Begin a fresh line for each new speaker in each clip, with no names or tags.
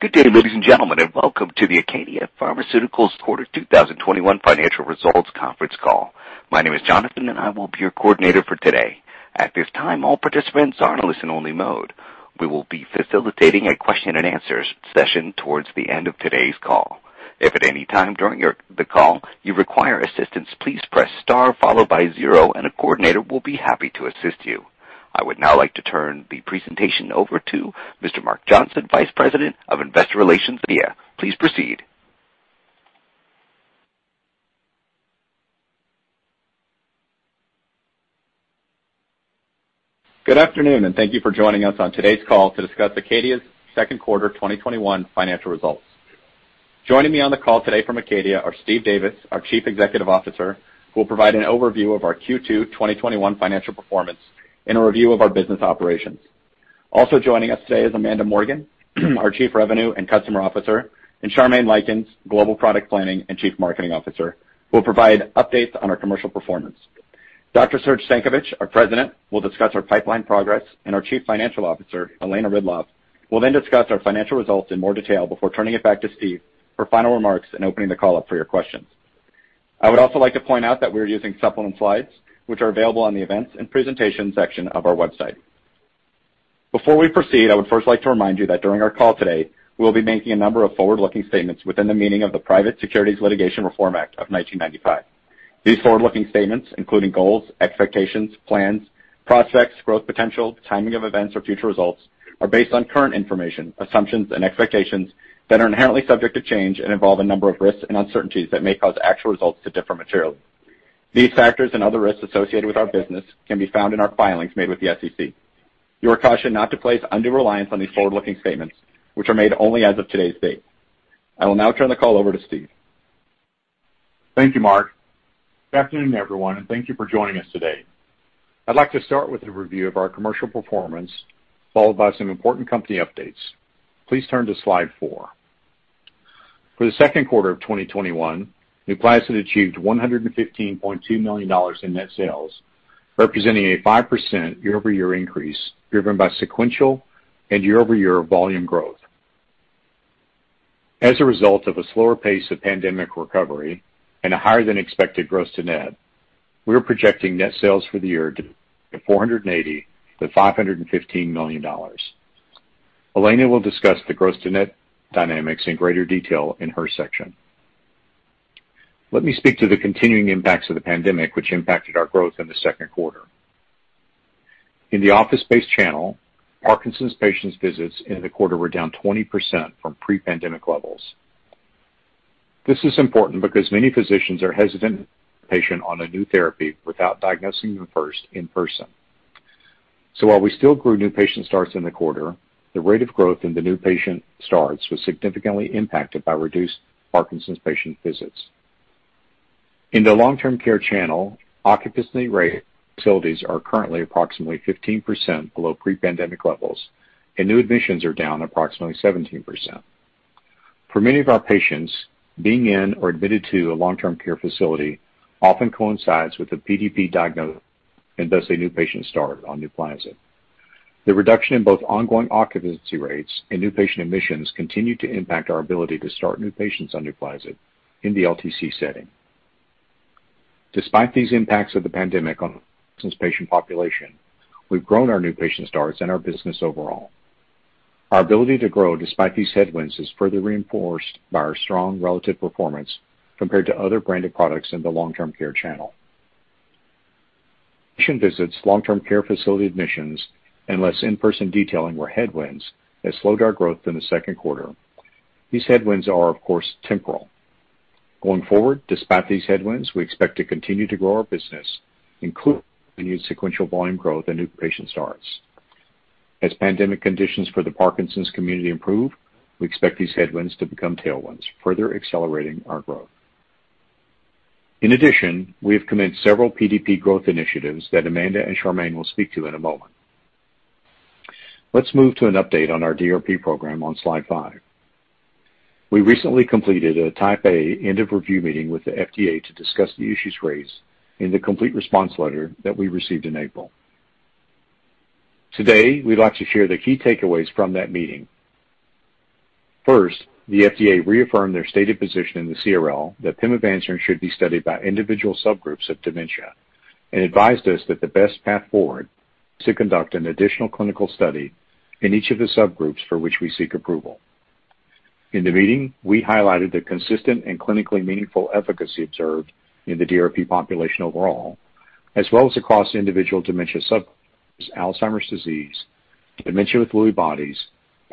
Good day, ladies and gentlemen, and welcome to the ACADIA Pharmaceuticals Q2 2021 Financial Results Conference Call. My name is Jonathan, and I will be your coordinator for today. At this time, all participants are in listen only mode. We will be facilitating a Q&A session towards the end of today's call. If at any time during the call you require assistance, please press star followed by zero, and a coordinator will be happy to assist you. I would now like to turn the presentation over to Mr. Mark Johnson, Vice President of Investor Relations, ACADIA. Please proceed.
Good afternoon, and thank you for joining us on today's call to discuss ACADIA's Q2 2021 financial results. Joining me on the call today from ACADIA are Steve Davis, our Chief Executive Officer, who will provide an overview of our Q2 2021 financial performance and a review of our business operations. Also joining us today is Amanda Morgan, our Chief Revenue and Customer Officer, and Charmaine Lykins, Global Product Planning and Chief Marketing Officer, who will provide updates on our commercial performance. Dr. Serge Stankovic, our President, will discuss our pipeline progress, and our Chief Financial Officer, Elena Ridloff, will then discuss our financial results in more detail before turning it back to Steve for final remarks and opening the call up for your questions. I would also like to point out that we are using supplement Slides, which are available on the events and presentations section of our website. Before we proceed, I would first like to remind you that during our call today, we'll be making a number of forward-looking statements within the meaning of the Private Securities Litigation Reform Act of 1995. These forward-looking statements, including goals, expectations, plans, prospects, growth potential, timing of events, or future results, are based on current information, assumptions, and expectations that are inherently subject to change and involve a number of risks and uncertainties that may cause actual results to differ materially. These factors and other risks associated with our business can be found in our filings made with the SEC. You are cautioned not to place undue reliance on these forward-looking statements, which are made only as of today's date. I will now turn the call over to Steve.
Thank you, Mark. Good afternoon, everyone, thank you for joining us today. I'd like to start with a review of our commercial performance, followed by some important company updates. Please turn to Slide 4. For the Q2 of 2021, NUPLAZID achieved $115.2 million in net sales, representing a 5% year-over-year increase driven by sequential and year-over-year volume growth. As a result of a slower pace of pandemic recovery and a higher than expected gross to net, we are projecting net sales for the year to $480 million-$515 million. Elena will discuss the gross to net dynamics in greater detail in her section. Let me speak to the continuing impacts of the pandemic, which impacted our growth in the Q2. In the office-based channel, Parkinson's patients' visits in the quarter were down 20% from pre-pandemic levels. This is important because many physicians are hesitant to start a patient on a new therapy without diagnosing them first in person. While we still grew new patient starts in the quarter, the rate of growth in the new patient starts was significantly impacted by reduced Parkinson's patient visits. In the long-term care channel, occupancy rate facilities are currently approximately 15% below pre-pandemic levels, and new admissions are down approximately 17%. For many of our patients, being in or admitted to a long-term care facility often coincides with a PDP diagnosis and thus a new patient start on NUPLAZID. The reduction in both ongoing occupancy rates and new patient admissions continue to impact our ability to start new patients on NUPLAZID in the LTC setting. Despite these impacts of the pandemic on the Parkinson's patient population, we've grown our new patient starts and our business overall. Our ability to grow despite these headwinds is further reinforced by our strong relative performance compared to other branded products in the long-term care channel. Patient visits, long-term care facility admissions, and less in-person detailing were headwinds that slowed our growth in the Q2. These headwinds are, of course, temporal. Going forward, despite these headwinds, we expect to continue to grow our business, including new sequential volume growth and new patient starts. As pandemic conditions for the Parkinson's community improve, we expect these headwinds to become tailwinds, further accelerating our growth. In addition, we have commenced several PDP growth initiatives that Amanda and Charmaine will speak to in a moment. Let's move to an update on our DRP program on Slide 5. We recently completed a Type A end of review meeting with the FDA to discuss the issues raised in the complete response letter that we received in April. Today, we'd like to share the key takeaways from that meeting. First, the FDA reaffirmed their stated position in the CRL that pimavanserin should be studied by individual subgroups of dementia and advised us that the best path forward is to conduct an additional clinical study in each of the subgroups for which we seek approval. In the meeting, we highlighted the consistent and clinically meaningful efficacy observed in the DRP population overall, as well as across individual dementia subgroups, Alzheimer's disease, dementia with Lewy bodies,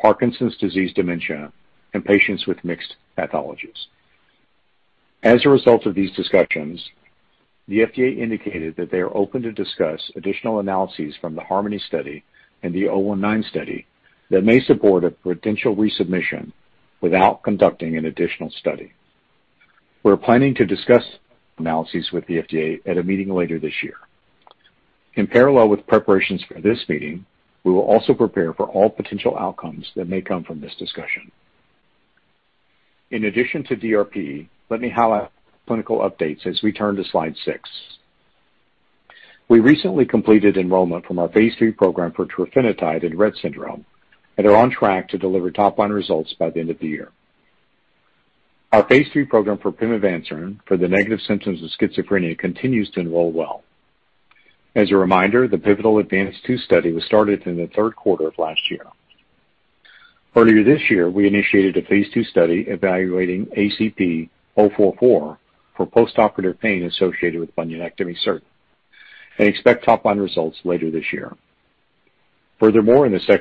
Parkinson's disease dementia, and patients with mixed pathologies. As a result of these discussions, the FDA indicated that they are open to discuss additional analyses from the HARMONY study and the Study 019 that may support a potential resubmission without conducting an additional study. We're planning to discuss analyses with the FDA at a meeting later this year. In parallel with preparations for this meeting, we will also prepare for all potential outcomes that may come from this discussion. In addition to DRP, let me highlight clinical updates as we turn to Slide 6. We recently completed enrollment from our phase III program for trofinetide in Rett syndrome and are on track to deliver top line results by the end of the year. Our phase III program for pimavanserin for the negative symptoms of schizophrenia continues to enroll well. As a reminder, the pivotal ADVANCE-2 study was started in the Q3 of last year. Earlier this year, we initiated a phase II study evaluating ACP-044 for postoperative pain associated with bunionectomy surgery, and expect top-line results later this year. In the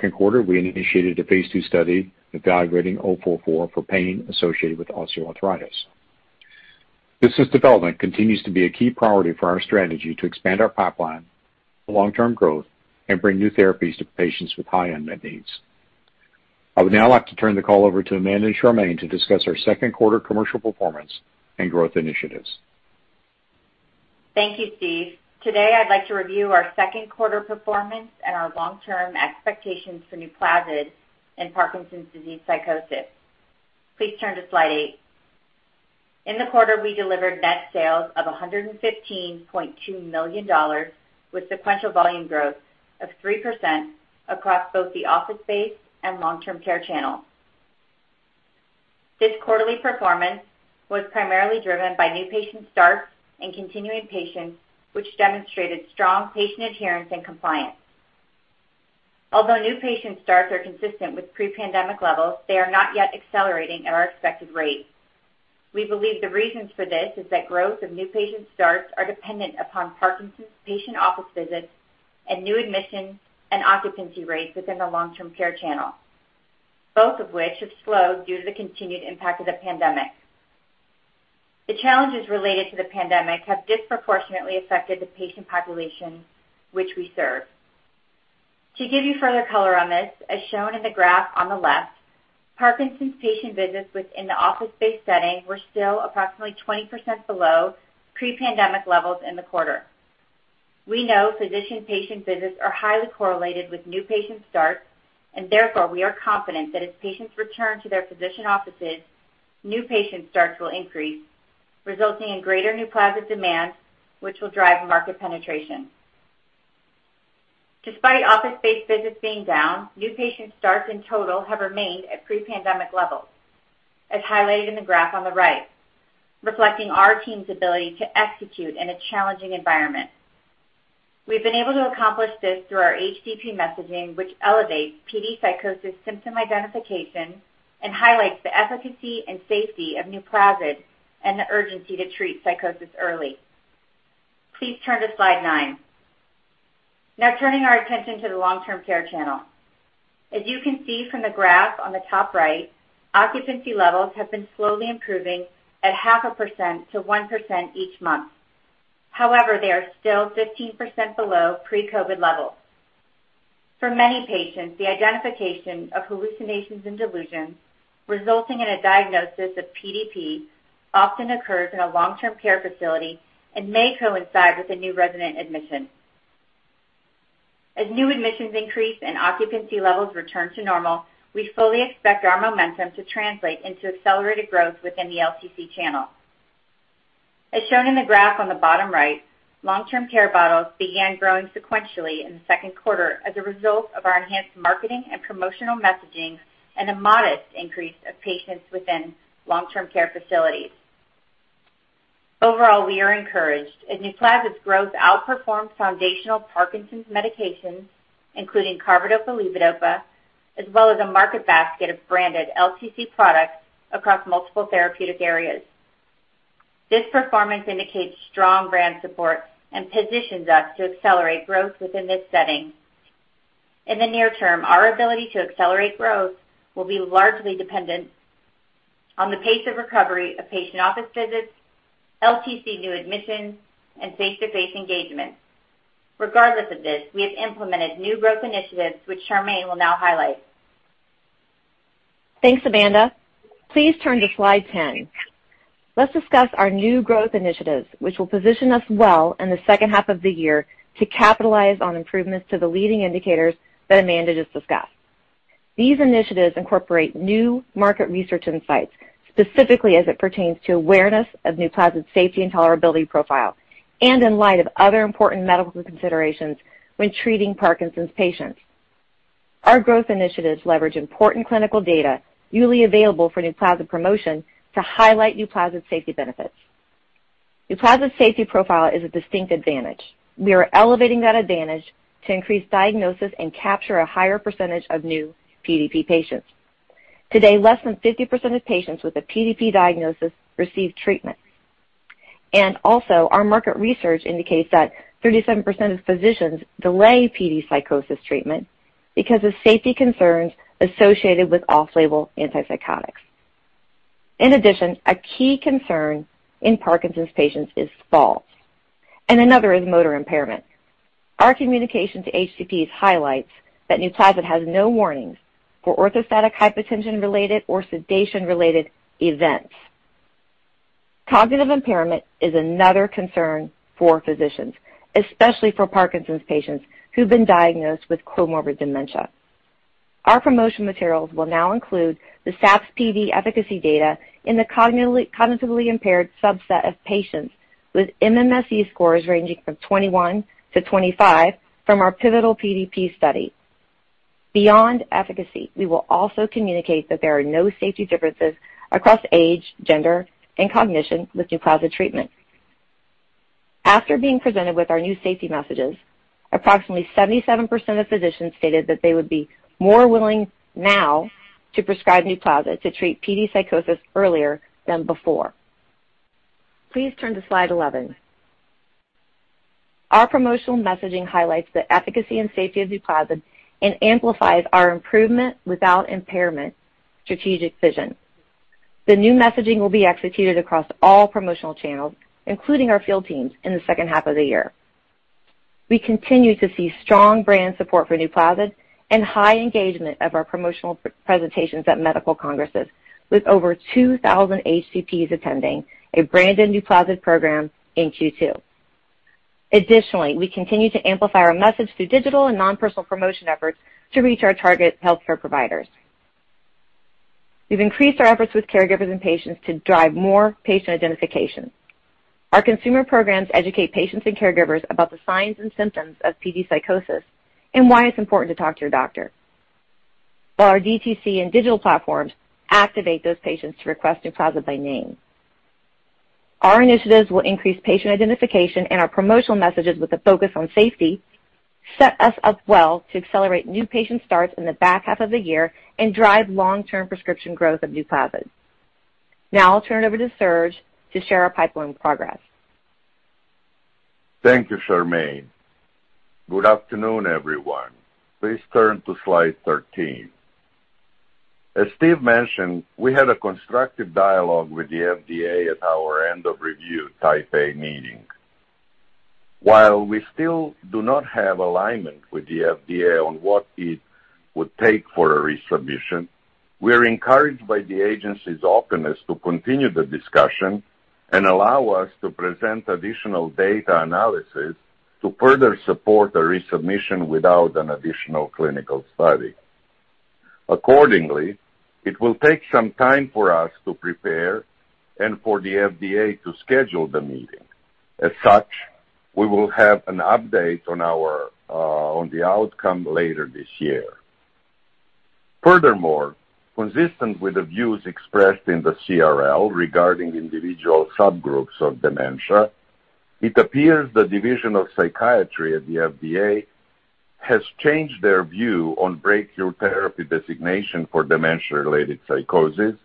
Q2, we initiated a phase II study evaluating 044 for pain associated with osteoarthritis. Business development continues to be a key priority for our strategy to expand our pipeline for long-term growth and bring new therapies to patients with high unmet needs. I would now like to turn the call over to Amanda and Charmaine to discuss our Q2 commercial performance and growth initiatives.
Thank you, Steve. Today, I'd like to review our Q2 performance and our long-term expectations for NUPLAZID in Parkinson's disease psychosis. Please turn to Slide 8. In the quarter, we delivered net sales of $115.2 million, with sequential volume growth of 3% across both the office-based and long-term care channels. This quarterly performance was primarily driven by new patient starts and continuing patients, which demonstrated strong patient adherence and compliance. Although new patient starts are consistent with pre-pandemic levels, they are not yet accelerating at our expected rate. We believe the reasons for this is that growth of new patient starts are dependent upon Parkinson's patient office visits and new admissions and occupancy rates within the long-term care channel, both of which have slowed due to the continued impact of the pandemic. The challenges related to the pandemic have disproportionately affected the patient population which we serve. To give you further color on this, as shown in the graph on the left, Parkinson's patient visits within the office-based setting were still approximately 20% below pre-pandemic levels in the quarter. We know physician-patient visits are highly correlated with new patient starts, and therefore, we are confident that as patients return to their physician offices, new patient starts will increase, resulting in greater NUPLAZID demand, which will drive market penetration. Despite office-based visits being down, new patient starts in total have remained at pre-pandemic levels, as highlighted in the graph on the right, reflecting our team's ability to execute in a challenging environment. We've been able to accomplish this through our HCP messaging, which elevates PD psychosis symptom identification and highlights the efficacy and safety of NUPLAZID and the urgency to treat psychosis early. Please turn to Slide 9. Now turning our attention to the long-term care channel. As you can see from the graph on the top right, occupancy levels have been slowly improving at 0.5% to 1% each month. However, they are still 15% below pre-COVID levels. For many patients, the identification of hallucinations and delusions resulting in a diagnosis of PDP often occurs in a long-term care facility and may coincide with a new resident admission. As new admissions increase and occupancy levels return to normal, we fully expect our momentum to translate into accelerated growth within the LTC channel. As shown in the graph on the bottom right, long-term care bottles began growing sequentially in the Q2 as a result of our enhanced marketing and promotional messaging and a modest increase of patients within long-term care facilities. Overall, we are encouraged as NUPLAZID's growth outperforms foundational Parkinson's medications, including carbidopa/levodopa, as well as a market basket of branded LTC products across multiple therapeutic areas. This performance indicates strong brand support and positions us to accelerate growth within this setting. In the near term, our ability to accelerate growth will be largely dependent on the pace of recovery of patient office visits, LTC new admissions, and face-to-face engagements. Regardless of this, we have implemented new growth initiatives, which Charmaine will now highlight.
Thanks, Amanda. Please turn to Slide 10. Let's discuss our new growth initiatives, which will position us well in the second half of the year to capitalize on improvements to the leading indicators that Amanda just discussed. These initiatives incorporate new market research insights, specifically as it pertains to awareness of NUPLAZID's safety and tolerability profile, and in light of other important medical considerations when treating Parkinson's patients. Our growth initiatives leverage important clinical data newly available for NUPLAZID promotion to highlight NUPLAZID's safety benefits. NUPLAZID's safety profile is a distinct advantage. We are elevating that advantage to increase diagnosis and capture a higher percentage of new PDP patients. Today, less than 50% of patients with a PDP diagnosis receive treatment. Our market research indicates that 37% of physicians delay PD psychosis treatment because of safety concerns associated with off-label antipsychotics. A key concern in Parkinson's patients is falls, and another is motor impairment. Our communication to HCPs highlights that NUPLAZID has no warnings for orthostatic hypotension-related or sedation-related events. Cognitive impairment is another concern for physicians, especially for Parkinson's patients who've been diagnosed with comorbid dementia. Our promotional materials will now include the SAPS-PD efficacy data in the cognitively impaired subset of patients with MMSE scores ranging from 21-25 from our pivotal PDP study. Beyond efficacy, we will also communicate that there are no safety differences across age, gender, and cognition with NUPLAZID treatment. After being presented with our new safety messages, approximately 77% of physicians stated that they would be more willing now to prescribe NUPLAZID to treat PD psychosis earlier than before. Please turn to Slide 11. Our promotional messaging highlights the efficacy and safety of NUPLAZID and amplifies our improvement without impairment strategic vision. The new messaging will be executed across all promotional channels, including our field teams, in the second half of the year. We continue to see strong brand support for NUPLAZID and high engagement of our promotional presentations at medical congresses, with over 2,000 HCPs attending a brand new NUPLAZID program in Q2. Additionally, we continue to amplify our message through digital and non-personal promotion efforts to reach our target healthcare providers. We've increased our efforts with caregivers and patients to drive more patient identification. Our consumer programs educate patients and caregivers about the signs and symptoms of PD psychosis and why it's important to talk to your doctor, while our DTC and digital platforms activate those patients to request NUPLAZID by name. Our initiatives will increase patient identification, and our promotional messages with a focus on safety set us up well to accelerate new patient starts in the back half of the year and drive long-term prescription growth of NUPLAZID. Now I'll turn it over to Serge to share our pipeline progress.
Thank you, Charmaine. Good afternoon, everyone. Please turn to Slide 13. As Steve mentioned, we had a constructive dialogue with the FDA at our end of review Type A meeting. While we still do not have alignment with the FDA on what it would take for a resubmission, we're encouraged by the agency's openness to continue the discussion and allow us to present additional data analysis to further support a resubmission without an additional clinical study. It will take some time for us to prepare and for the FDA to schedule the meeting. We will have an update on the outcome later this year. Furthermore, consistent with the views expressed in the CRL regarding individual subgroups of dementia, it appears the Division of Psychiatry at the FDA has changed their view on breakthrough therapy designation for dementia-related psychosis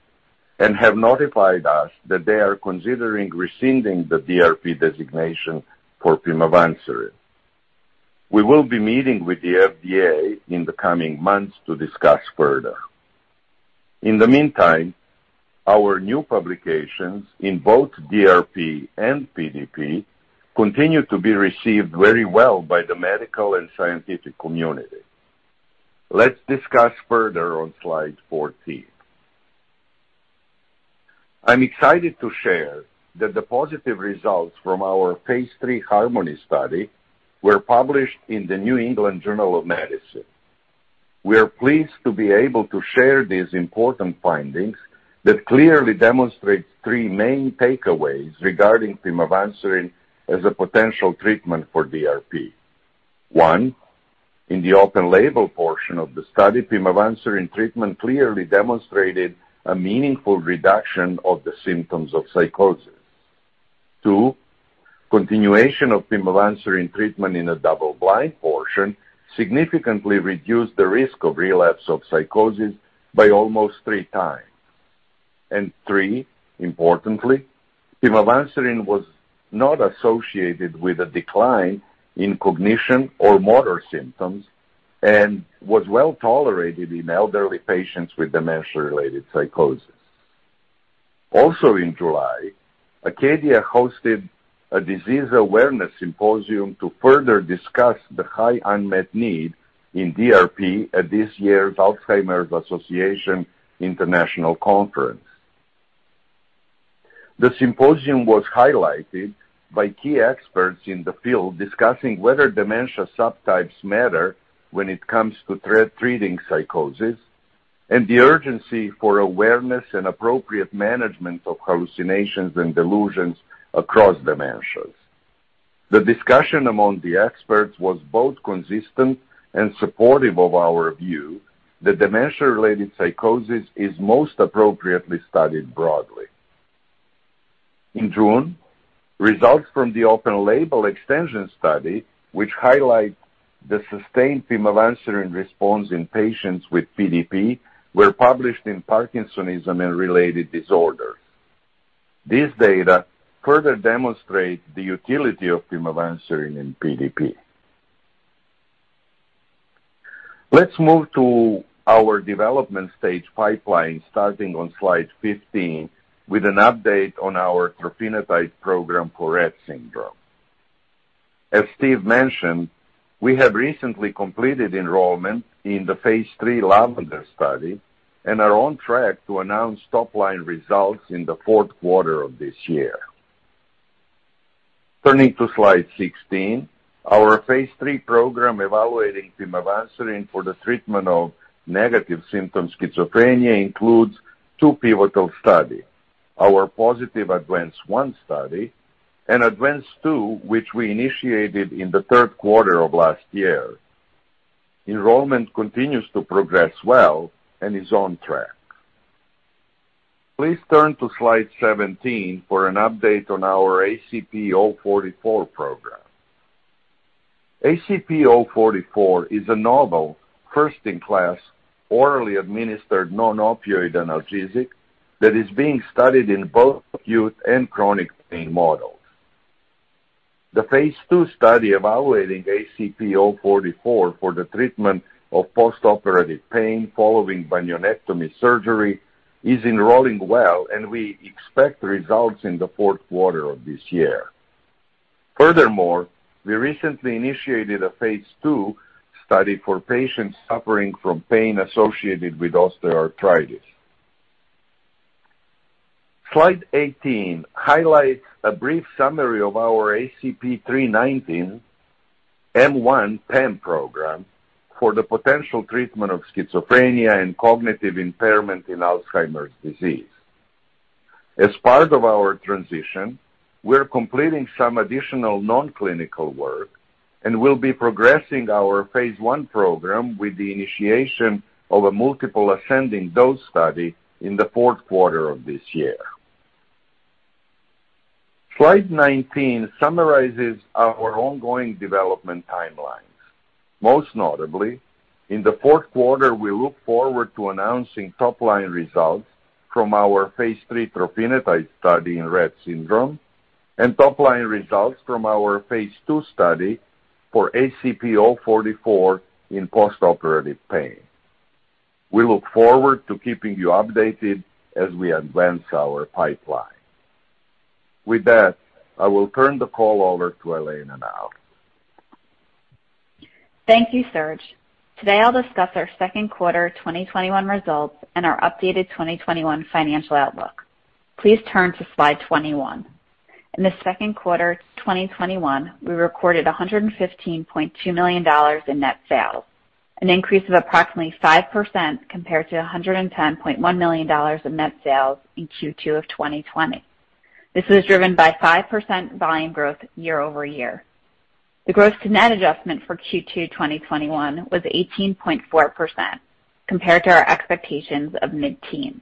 and have notified us that they are considering rescinding the DRP designation for pimavanserin. We will be meeting with the FDA in the coming months to discuss further. In the meantime, our new publications in both DRP and PDP continue to be received very well by the medical and scientific community. Let's discuss further on Slide 14. I'm excited to share that the positive results from our phase III HARMONY study were published in the "New England Journal of Medicine." We are pleased to be able to share these important findings that clearly demonstrate three main takeaways regarding pimavanserin as a potential treatment for DRP. 1, in the open-label portion of the study, pimavanserin treatment clearly demonstrated a meaningful reduction of the symptoms of psychosis. 2, continuation of pimavanserin treatment in a double-blind portion significantly reduced the risk of relapse of psychosis by almost 3x. Three, importantly, pimavanserin was not associated with a decline in cognition or motor symptoms and was well-tolerated in elderly patients with dementia-related psychosis. Also in July, ACADIA hosted a disease awareness symposium to further discuss the high unmet need in DRP at this year's Alzheimer's Association International Conference. The symposium was highlighted by key experts in the field discussing whether dementia subtypes matter when it comes to treating psychosis and the urgency for awareness and appropriate management of hallucinations and delusions across dementias. The discussion among the experts was both consistent and supportive of our view that dementia-related psychosis is most appropriately studied broadly. In June, results from the open-label extension study, which highlight the sustained pimavanserin response in patients with PDP, were published in "Parkinsonism & Related Disorders." This data further demonstrate the utility of pimavanserin in PDP. Let's move to our development stage pipeline, starting on Slide 15, with an update on our trofinetide program for Rett syndrome. Steve mentioned, we have recently completed enrollment in the phase III LAVENDER study and are on track to announce top-line results in the Q4 of this year. Turning to Slide 16, our phase III program evaluating pimavanserin for the treatment of negative symptom schizophrenia includes two pivotal studies, our positive ADVANCE-1 study and ADVANCE-2, which we initiated in the Q3 of last year. Enrollment continues to progress well and is on track. Please turn to Slide 17 for an update on our ACP-044 program. ACP-044 is a novel, first-in-class, orally administered, non-opioid analgesic that is being studied in both acute and chronic pain models. The phase II study evaluating ACP-044 for the treatment of postoperative pain following bunionectomy surgery is enrolling well, and we expect results in the Q4 of this year. Furthermore, we recently initiated a phase II study for patients suffering from pain associated with osteoarthritis. Slide 18 highlights a brief summary of our ACP-319/M1 PAM program for the potential treatment of schizophrenia and cognitive impairment in Alzheimer's disease. As part of our transition, we're completing some additional non-clinical work and will be progressing our phase I program with the initiation of a multiple ascending dose study in the Q4 of this year. Slide 19 summarizes our ongoing development timelines. Most notably, in the Q4, we look forward to announcing top-line results from our phase III trofinetide study in Rett syndrome and top-line results from our phase II study for ACP-044 in postoperative pain. We look forward to keeping you updated as we advance our pipeline. With that, I will turn the call over to Elena Ridloff.
Thank you, Serge. Today, I'll discuss our Q2 2021 results and our updated 2021 financial outlook. Please turn to Slide 21. In the Q2 2021, we recorded $115.2 million in net sales, an increase of approximately 5% compared to $110.1 million in net sales in Q2 of 2020. This was driven by 5% volume growth year-over-year. The gross to net adjustment for Q2 2021 was 18.4% compared to our expectations of mid-teen.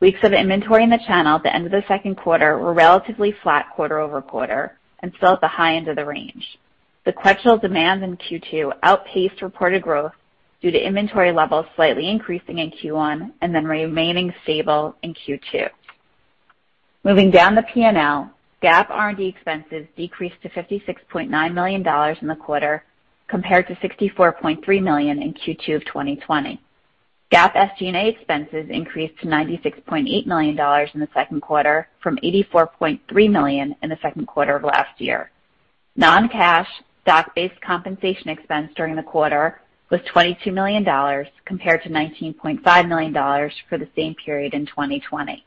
Weeks of inventory in the channel at the end of the Q2 were relatively flat quarter-over-quarter and still at the high end of the range. The commercial demands in Q2 outpaced reported growth due to inventory levels slightly increasing in Q1 and then remaining stable in Q2. Moving down the P&L, GAAP R&D expenses decreased to $56.9 million in the quarter, compared to $64.3 million in Q2 of 2020. GAAP SG&A expenses increased to $96.8 million in the Q2 from $84.3 million in the Q2 of last year. Non-cash stock-based compensation expense during the quarter was $22 million compared to $19.5 million for the same period in 2020.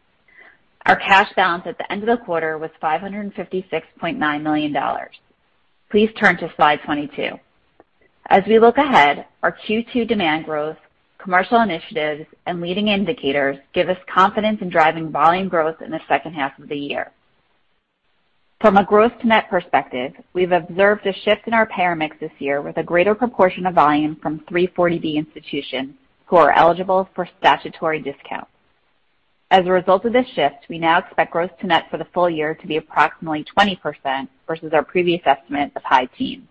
Our cash balance at the end of the quarter was $556.9 million. Please turn to Slide 22. As we look ahead, our Q2 demand growth, commercial initiatives, and leading indicators give us confidence in driving volume growth in the second half of the year. From a gross to net perspective, we've observed a shift in our payer mix this year with a greater proportion of volume from 340B institutions who are eligible for statutory discounts. As a result of this shift, we now expect gross to net for the full year to be approximately 20% versus our previous estimate of high teens.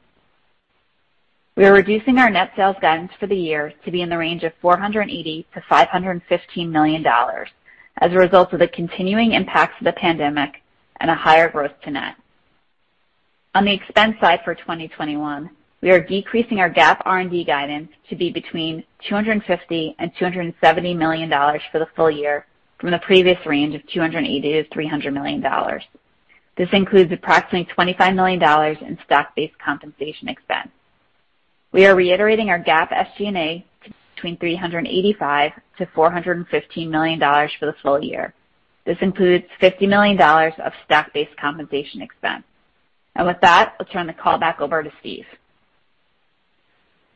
We are reducing our net sales guidance for the year to be in the range of $480 million-$515 million as a result of the continuing impacts of the pandemic and a higher gross to net. On the expense side for 2021, we are decreasing our GAAP R&D guidance to be between $250 million-$270 million for the full year from the previous range of $280 million-$300 million. This includes approximately $25 million in stock-based compensation expense. We are reiterating our GAAP SG&A between $385 million-$415 million for this full year. This includes $50 million of stock-based compensation expense. With that, let's turn the call back over to Steve.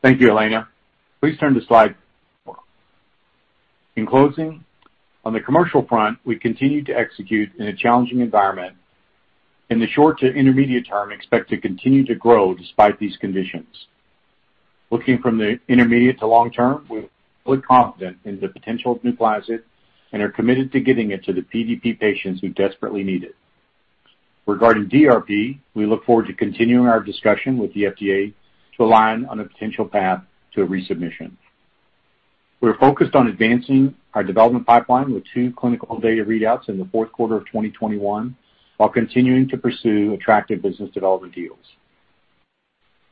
Thank you, Elena. Please turn to Slide 4. In closing, on the commercial front, we continue to execute in a challenging environment. In the short to intermediate term, expect to continue to grow despite these conditions. Looking from the intermediate to long-term, we're fully confident in the potential of NUPLAZID and are committed to getting it to the PDP patients who desperately need it. Regarding DRP, we look forward to continuing our discussion with the FDA to align on a potential path to a resubmission. We're focused on advancing our development pipeline with two clinical data readouts in the Q4 of 2021 while continuing to pursue attractive business development deals.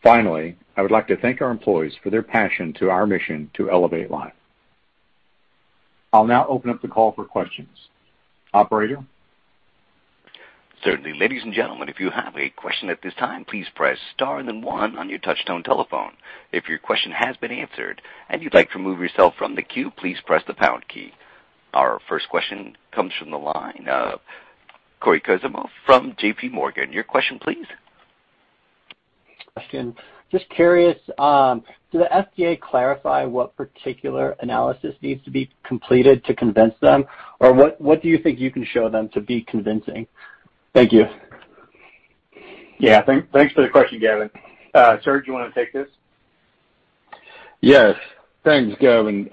Finally, I would like to thank our employees for their passion to our mission to elevate life. I'll now open up the call for questions. Operator?
Certainly. Our first question comes from the line of Cory Kasimov from JPMorgan. Your question, please.
Thanks. Just curious, did the FDA clarify what particular analysis needs to be completed to convince them? What do you think you can show them to be convincing? Thank you.
Yeah. Thanks for the question, Cory. Serge, do you want to take this?
Yes. Thanks, Cory.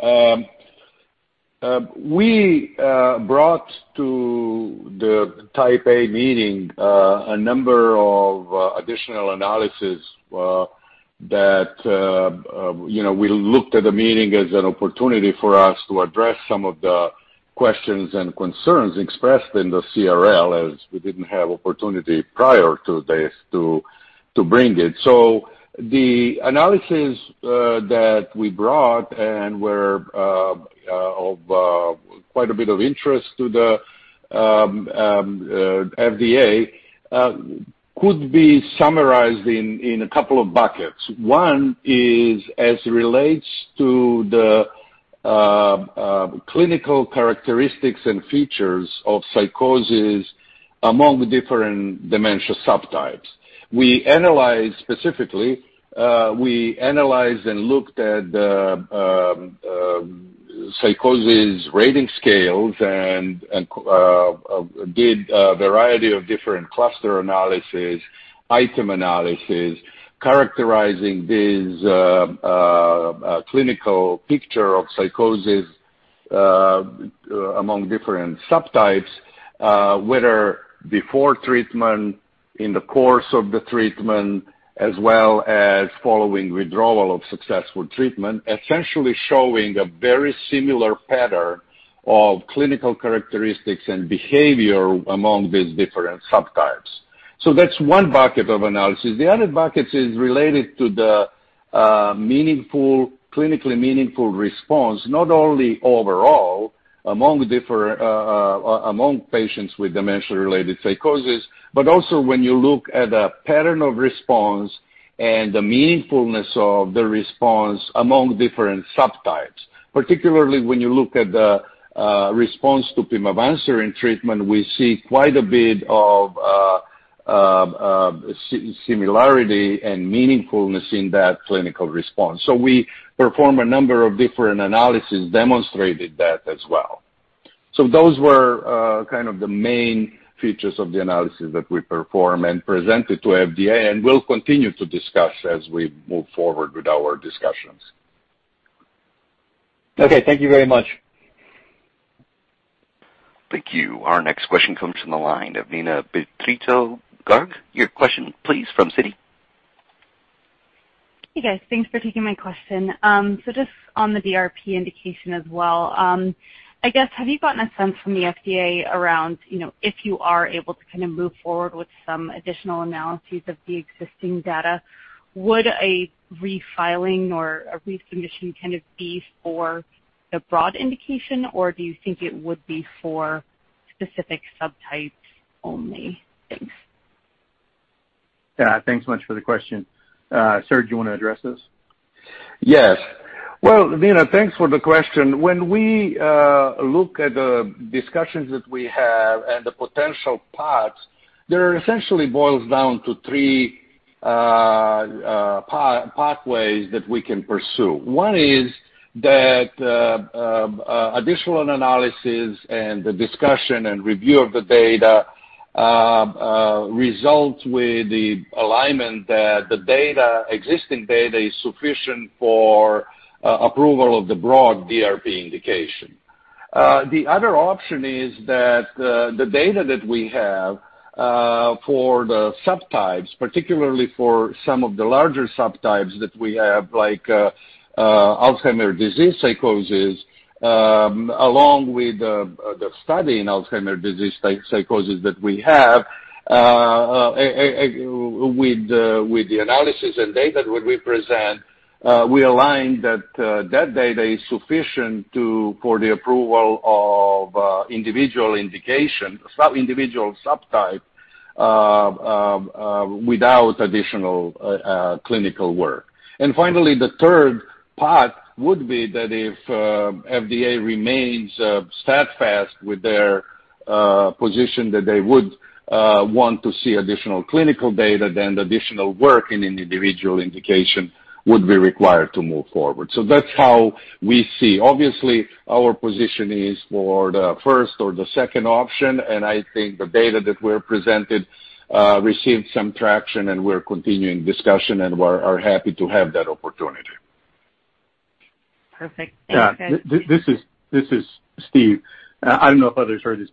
We brought to the Type A meeting a number of additional analysis that we looked at the meeting as an opportunity for us to address some of the questions and concerns expressed in the CRL, as we didn't have opportunity prior to this to bring it. The analysis that we brought and were of quite a bit of interest to the FDA could be summarized in a couple of buckets. One is as it relates to the clinical characteristics and features of psychosis among different dementia subtypes. Specifically, we analyzed and looked at psychosis rating scales and did a variety of different cluster analysis, item analysis, characterizing this clinical picture of psychosis among different subtypes, whether before treatment, in the course of the treatment, as well as following withdrawal of successful treatment, essentially showing a very similar pattern of clinical characteristics and behavior among these different subtypes. That's one bucket of analysis. The other bucket is related to the clinically meaningful response, not only overall among patients with dementia-related psychosis, but also when you look at the pattern of response and the meaningfulness of the response among different subtypes. Particularly when you look at the response to pimavanserin treatment, we see quite a bit of similarity and meaningfulness in that clinical response. We performed a number of different analysis demonstrating that as well. Those were kind of the main features of the analysis that we performed and presented to FDA and will continue to discuss as we move forward with our discussions.
Okay. Thank you very much.
Thank you. Our next question comes from the line of Neena Bitritto-Garg. Your question, please from Citi.
Hey, guys. Thanks for taking my question. Just on the DRP indication as well. I guess, have you gotten a sense from the FDA around if you are able to kind of move forward with some additional analyses of the existing data, would a refiling or a resubmission kind of be for the broad indication, or do you think it would be for specific subtypes only? Thanks.
Yeah. Thanks so much for the question. Serge, do you want to address this?
Yes. Well, Neena, thanks for the question. When we look at the discussions that we have and the potential paths, they essentially boil down to three pathways that we can pursue. 1 is that additional analysis and the discussion and review of the data results with the alignment that the existing data is sufficient for approval of the broad DRP indication. The other option is that the data that we have for the subtypes, particularly for some of the larger subtypes that we have like Alzheimer's disease psychosis, along with the study in Alzheimer's disease psychosis that we have with the analysis and data that we present, we align that data is sufficient for the approval of individual subtype without additional clinical work. Finally, the third path would be that if FDA remains steadfast with their position that they would want to see additional clinical data, then additional work in an individual indication would be required to move forward. That's how we see. Obviously, our position is for the first or the second option, and I think the data that we've presented received some traction, and we're continuing discussion, and we're happy to have that opportunity.
Perfect. Thanks, guys.
Yeah. This is Steve. I don't know if others heard this,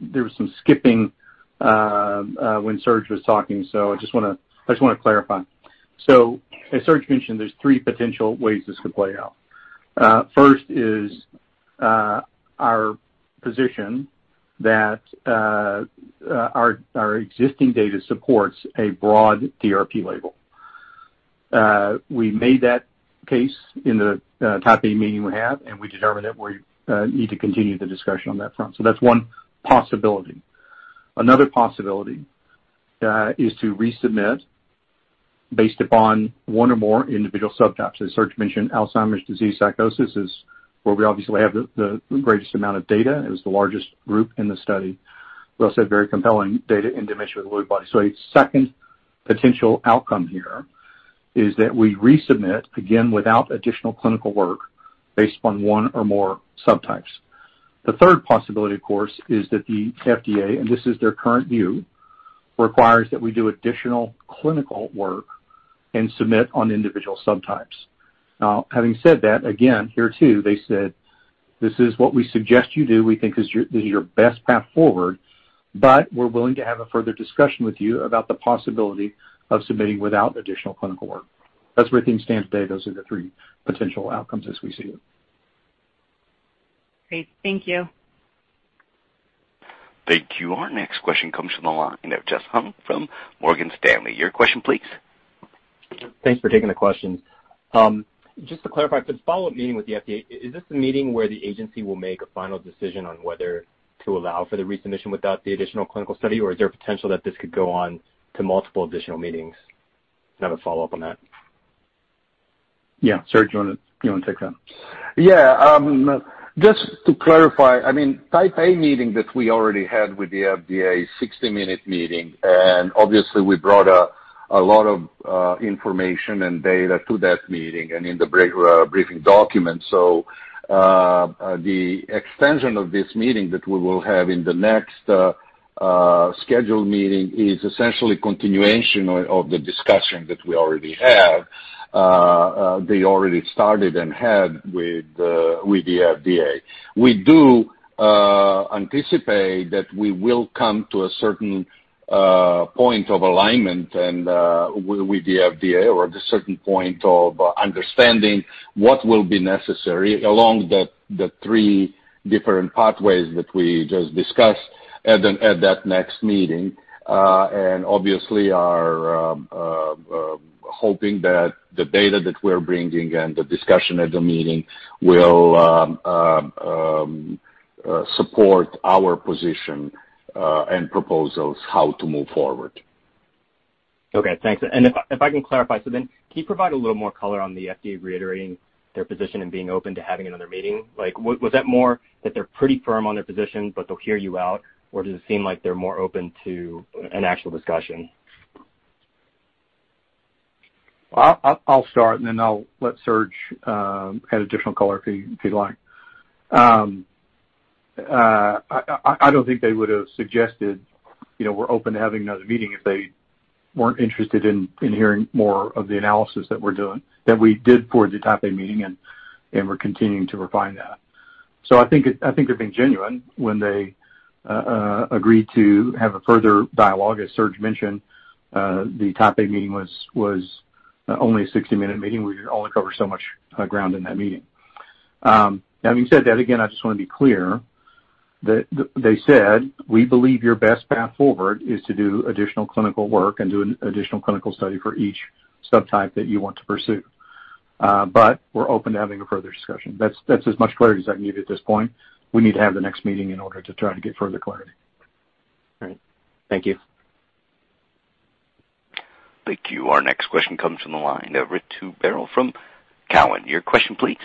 there was some skipping when Serge was talking, I just want to clarify. As Serge mentioned, there's three potential ways this could play out. First is our position that our existing data supports a broad DRP label. We made that case in the Type A meeting we had, and we determined that we need to continue the discussion on that front. That's one possibility. Another possibility is to resubmit based upon one or more individual subtypes. As Serge mentioned, Alzheimer's disease psychosis is where we obviously have the greatest amount of data. It was the largest group in the study with also very compelling data in dementia with Lewy bodies. A second potential outcome here is that we resubmit again without additional clinical work based on one or more subtypes. The third possibility, of course, is that the FDA, and this is their current view, requires that we do additional clinical work and submit on individual subtypes. Now, having said that, again, here too, they said, "This is what we suggest you do. We think this is your best path forward, but we're willing to have a further discussion with you about the possibility of submitting without additional clinical work." That's where things stand today. Those are the three potential outcomes as we see it.
Great. Thank you.
Thank you. Our next question comes from the line of Jeff Hung from Morgan Stanley. Your question please.
Thanks for taking the question. Just to clarify, for the follow-up meeting with the FDA, is this the meeting where the agency will make a final decision on whether to allow for the resubmission without the additional clinical study, or is there potential that this could go on to multiple additional meetings? I have a follow-up on that.
Yeah. Serge, do you want to take that?
Yeah. Just to clarify, Type A meeting that we already had with the FDA, 60-minute meeting. Obviously we brought a lot of information and data to that meeting and in the briefing document. The extension of this meeting that we will have in the next scheduled meeting is essentially continuation of the discussion that we already had. They already started and had with the FDA. We do anticipate that we will come to a certain point of alignment with the FDA or the certain point of understanding what will be necessary along the three different pathways that we just discussed at that next meeting. Obviously are hoping that the data that we're bringing and the discussion at the meeting will support our position, and proposals how to move forward.
Okay, thanks. If I can clarify, can you provide a little more color on the FDA reiterating their position and being open to having another meeting? Was that more that they're pretty firm on their position, but they'll hear you out, or does it seem like they're more open to an actual discussion?
I'll start, then I'll let Serge add additional color if he'd like. I don't think they would've suggested we're open to having another meeting if they weren't interested in hearing more of the analysis that we're doing, that we did for the Type A meeting, we're continuing to refine that. I think they're being genuine when they agree to have a further dialogue. As Serge mentioned, the Type A meeting was only a 60-minute meeting. We could only cover so much ground in that meeting. Having said that, again, I just want to be clear that they said, "We believe your best path forward is to do additional clinical work and do an additional clinical study for each subtype that you want to pursue. We're open to having a further discussion." That's as much clarity as I can give at this point. We need to have the next meeting in order to try to get further clarity.
All right. Thank you.
Thank you. Our next question comes from the line of Ritu Baral from Cowen. Your question please.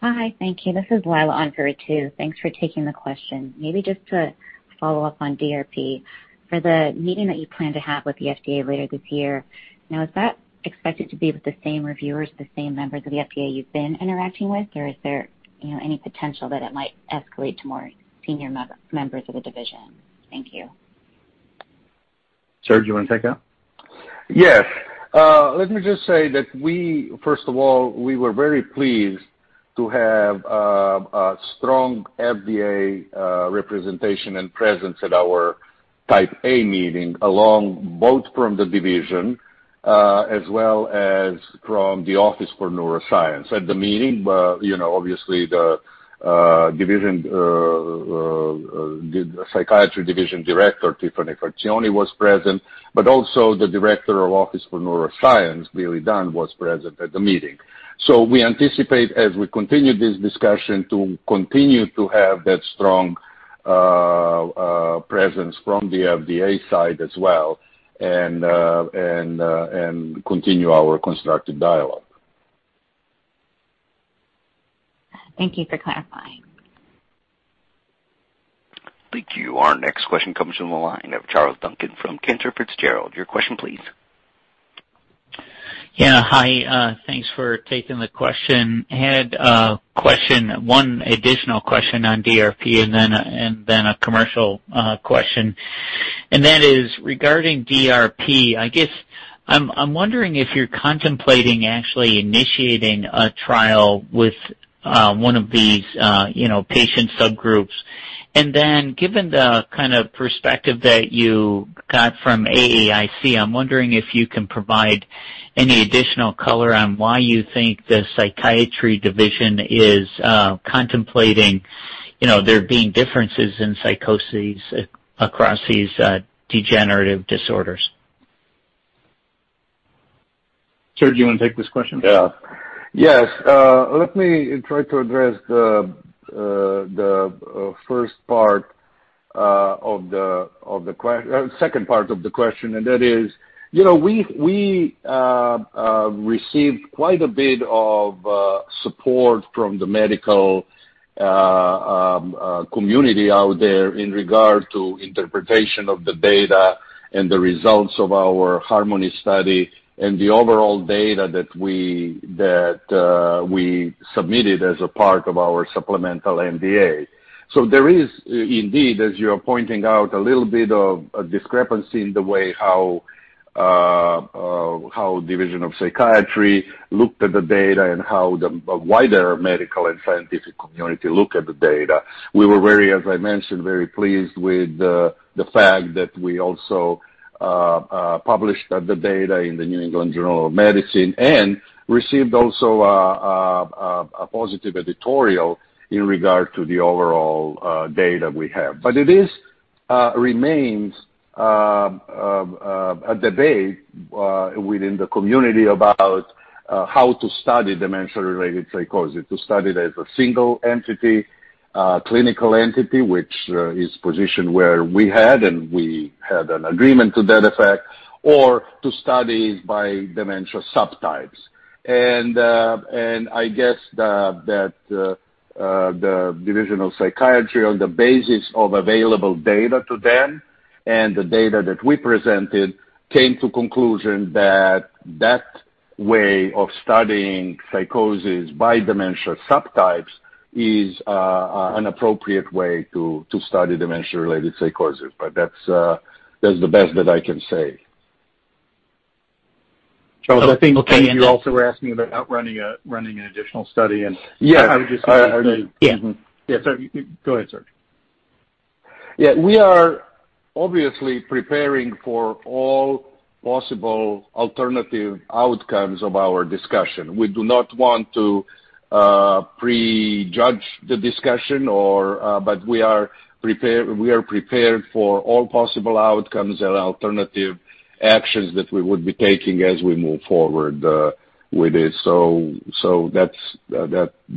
Hi, thank you. This is Leila on for Ritu. Thanks for taking the question. Maybe just to follow up on DRP. For the meeting that you plan to have with the FDA later this year, now, is that expected to be with the same reviewers, the same members of the FDA you've been interacting with, or is there any potential that it might escalate to more senior members of the division? Thank you.
Serge, you want to take that?
Yes. Let me just say that we, first of all, we were very pleased to have a strong FDA representation and presence at our Type A meeting along both from the division, as well as from the Office of Neuroscience. At the meeting, obviously, the Psychiatry Division Director, Tiffany Farchione, was present, but also the Director of Office of Neuroscience, Billy Dunn, was present at the meeting. We anticipate, as we continue this discussion, to continue to have that strong presence from the FDA side as well and continue our constructive dialogue.
Thank you for clarifying.
Thank you. Our next question comes from the line of Charles Duncan from Cantor Fitzgerald. Your question please.
Yeah. Hi, thanks for taking the question. Had 1 additional question on DRP then a commercial question. That is regarding DRP, I guess I'm wondering if you're contemplating actually initiating a trial with one of these patient subgroups. Then given the kind of perspective that you got from AAIC, I'm wondering if you can provide any additional color on why you think the Division of Psychiatry is contemplating, you know, there being differences in psychoses across these degenerative disorders.
Serge, do you want to take this question?
Yeah. Yes. Let me try to address the second part of the question, and that is, we received quite a bit of support from the medical community out there in regard to interpretation of the data and the results of our HARMONY study and the overall data that we submitted as a part of our supplemental NDA. There is indeed, as you're pointing out, a little bit of a discrepancy in the way how Division of Psychiatry looked at the data and how the wider medical and scientific community look at the data. We were, as I mentioned, very pleased with the fact that we also published the data in The New England Journal of Medicine and received also a positive editorial in regard to the overall data we have. It remains a debate within the community about how to study dementia-related psychosis, to study it as a single entity, clinical entity, which is position where we had, and we had an agreement to that effect, or to study it by dementia subtypes. I guess that the Division of Psychiatry, on the basis of available data to them and the data that we presented, came to conclusion that that way of studying psychosis by dementia subtypes is an appropriate way to study dementia-related psychosis. That's the best that I can say.
Charles.
Okay.
You also were asking about running an additional study.
Yeah.
I would just say.
Yeah.
Yeah. Go ahead, Serge.
Yeah. We are obviously preparing for all possible alternative outcomes of our discussion. We do not want to prejudge the discussion, but we are prepared for all possible outcomes and alternative actions that we would be taking as we move forward with it.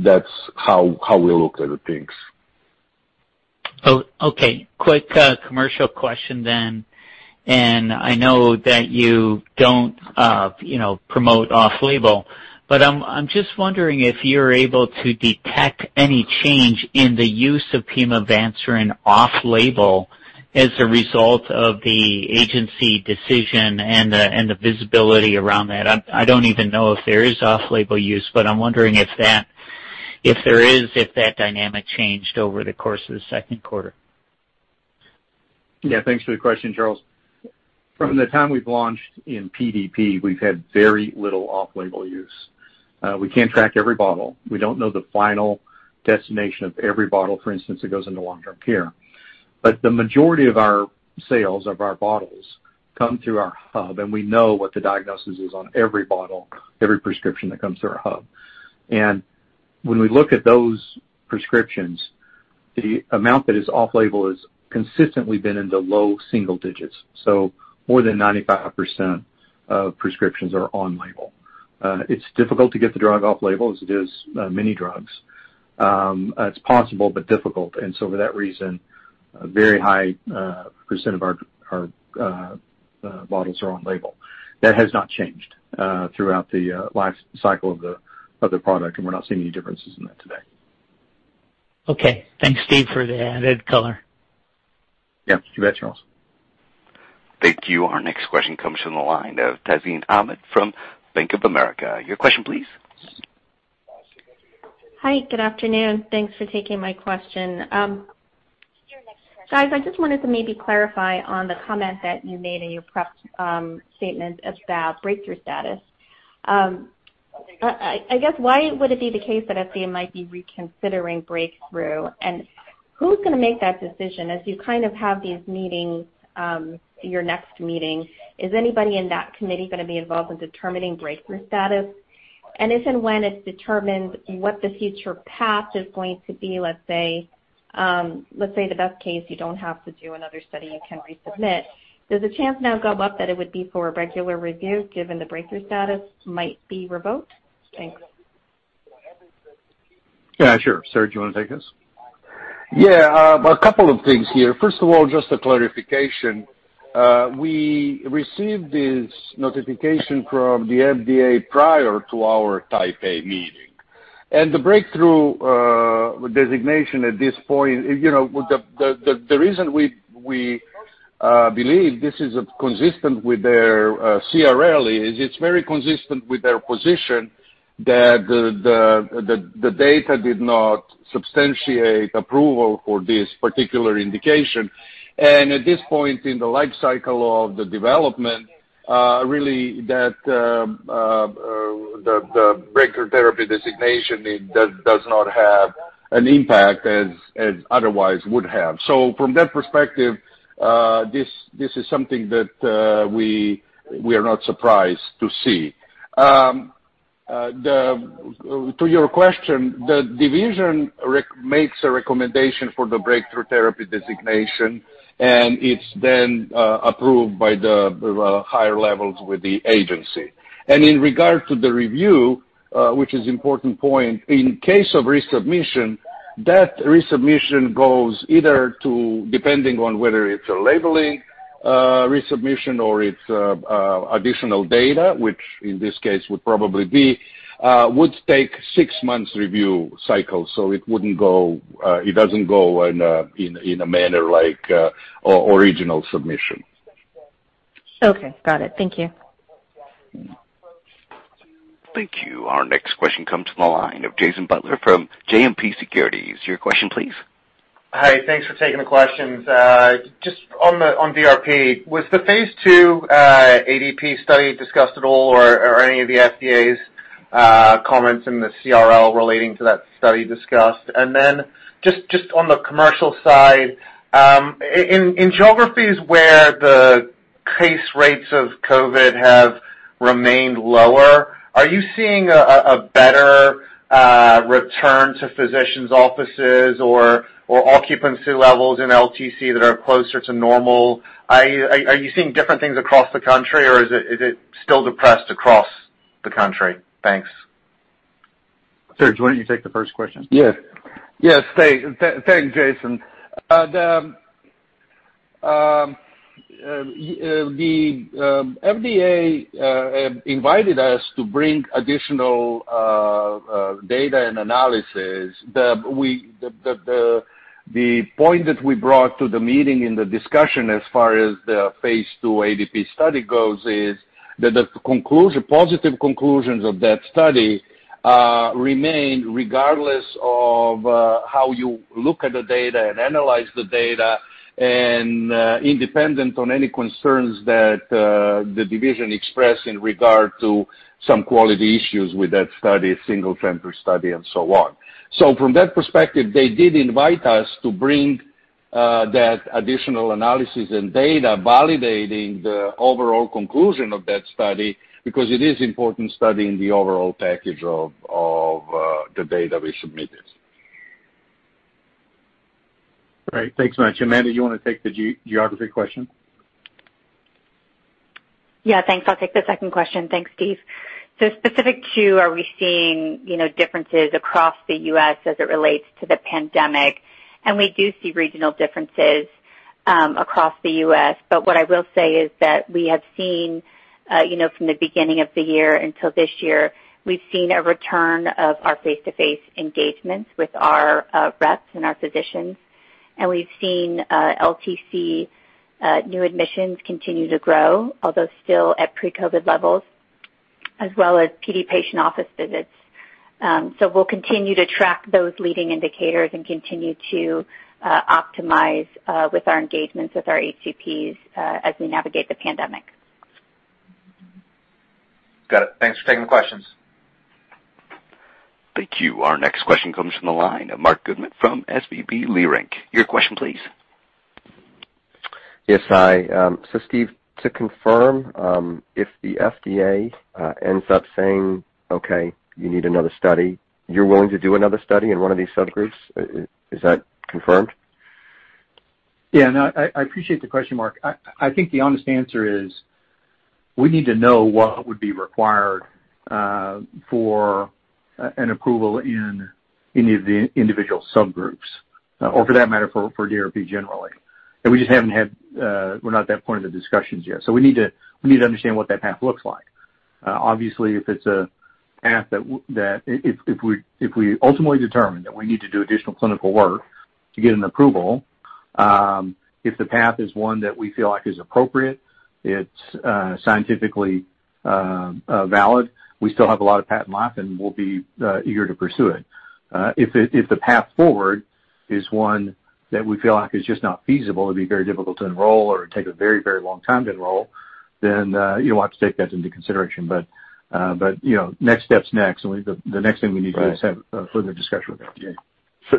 That's how we look at things.
Oh, okay. Quick commercial question. I know that you don't promote off-label, but I'm just wondering if you're able to detect any change in the use of pimavanserin off-label as a result of the agency decision and the visibility around that. I don't even know if there is off-label use, but I'm wondering if there is, if that dynamic changed over the course of the Q2.
Thanks for the question, Charles. From the time we've launched in PDP, we've had very little off-label use. We can't track every bottle. We don't know the final destination of every bottle, for instance, that goes into long-term care. The majority of our sales of our bottles come through our hub. We know what the diagnosis is on every bottle, every prescription that comes through our hub. When we look at those prescriptions, the amount that is off-label has consistently been in the low single digits. More than 95% of prescriptions are on-label. It's difficult to get the drug off-label, as it is many drugs. It's possible, but difficult. For that reason, a very high perecent of our bottles are on-label. That has not changed throughout the life cycle of the product. We're not seeing any differences in that today.
Okay. Thanks, Steve, for the added color.
Yeah. You bet, Charles.
Thank you. Our next question comes from the line of Tazeen Ahmad from Bank of America. Your question, please.
Hi. Good afternoon. Thanks for taking my question. Guys, I just wanted to maybe clarify on the comment that you made in your prep statement about breakthrough status. I guess why would it be the case that FDA might be reconsidering breakthrough, and who's going to make that decision as you kind of have these meetings, your next meeting, is anybody in that committee going to be involved in determining breakthrough status? If and when it's determined what the future path is going to be, let's say the best case, you don't have to do another study, you can resubmit. Does the chance now go up that it would be for a regular review given the breakthrough status might be revoked? Thanks.
Yeah, sure. Serge, you want to take this?
Yeah. A couple of things here. First of all, just a clarification. We received this notification from the FDA prior to our Type A meeting. The breakthrough therapy designation at this point, the reason we believe this is consistent with their CRL is it's very consistent with their position that the data did not substantiate approval for this particular indication. At this point in the life cycle of the development, really that the breakthrough therapy designation does not have an impact as otherwise would have. From that perspective, this is something that we are not surprised to see. To your question, the division makes a recommendation for the breakthrough therapy designation, and it's then approved by the higher levels with the agency. In regard to the review, which is important point, in case of resubmission, that resubmission goes either to, depending on whether it's a labeling resubmission or it's additional data, which in this case would probably be, would take six months review cycle. It doesn't go in a manner like original submission.
Okay. Got it. Thank you.
Thank you. Our next question comes from the line of Jason Butler from JMP Securities. Your question, please.
Hi. Thanks for taking the questions. Just on DRP, was the phase II ADP study discussed at all or any of the FDA's comments in the CRL relating to that study discussed? Just on the commercial side, in geographies where the case rates of COVID have remained lower, are you seeing a better return to physicians' offices or occupancy levels in LTC that are closer to normal? Are you seeing different things across the country, or is it still depressed across the country? Thanks.
Serge, why don't you take the first question?
Yes. Thanks, Jason. The FDA invited us to bring additional data and analysis. The point that we brought to the meeting in the discussion as far as the phase II ADP study goes is that the positive conclusions of that study remain regardless of how you look at the data and analyze the data and independent on any concerns that the division expressed in regard to some quality issues with that study, single center study and so on. From that perspective, they did invite us to bring that additional analysis and data validating the overall conclusion of that study because it is important studying the overall package of the data we submitted.
Great. Thanks much. Amanda, you want to take the geography question?
Yeah, thanks. I'll take the second question. Thanks, Steve. Specific to are we seeing differences across the US as it relates to the pandemic, we do see regional differences across the US What I will say is that we have seen, from the beginning of the year until this year, we've seen a return of our face-to-face engagements with our reps and our physicians, we've seen LTC new admissions continue to grow, although still at pre-COVID levels, as well as PD patient office visits. We'll continue to track those leading indicators and continue to optimize with our engagements with our HCPs as we navigate the pandemic.
Got it. Thanks for taking the questions.
Thank you. Our next question comes from the line of Marc Goodman from SVB Leerink. Your question, please.
Yes, hi. Steve, to confirm, if the FDA ends up saying, "Okay, you need another study," you're willing to do another study in one of these subgroups? Is that confirmed?
Yeah, no, I appreciate the question, Marc. I think the honest answer is we need to know what would be required for an approval in any of the individual subgroups or for that matter, for DRP generally. We're not at that point of the discussions yet. We need to understand what that path looks like. Obviously, if we ultimately determine that we need to do additional clinical work to get an approval, if the path is one that we feel like is appropriate, it's scientifically valid, we still have a lot of patent life, and we'll be eager to pursue it. If the path forward is one that we feel like is just not feasible, it'd be very difficult to enroll or it'd take a very long time to enroll, you'll have to take that into consideration. Next steps, and the next thing we need to do is have a further discussion with the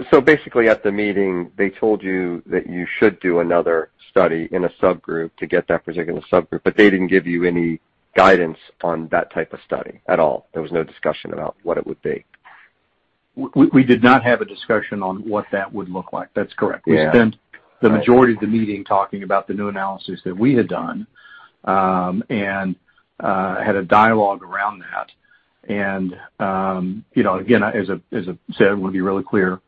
FDA.
Basically, at the meeting, they told you that you should do another study in a subgroup to get that particular subgroup, but they didn't give you any guidance on that type of study at all. There was no discussion about what it would be.
We did not have a discussion on what that would look like. That is correct.
Yeah.
We spent the majority of the meeting talking about the new analysis that we had done, and had a dialogue around that. Again, as I said, we'll be really clear,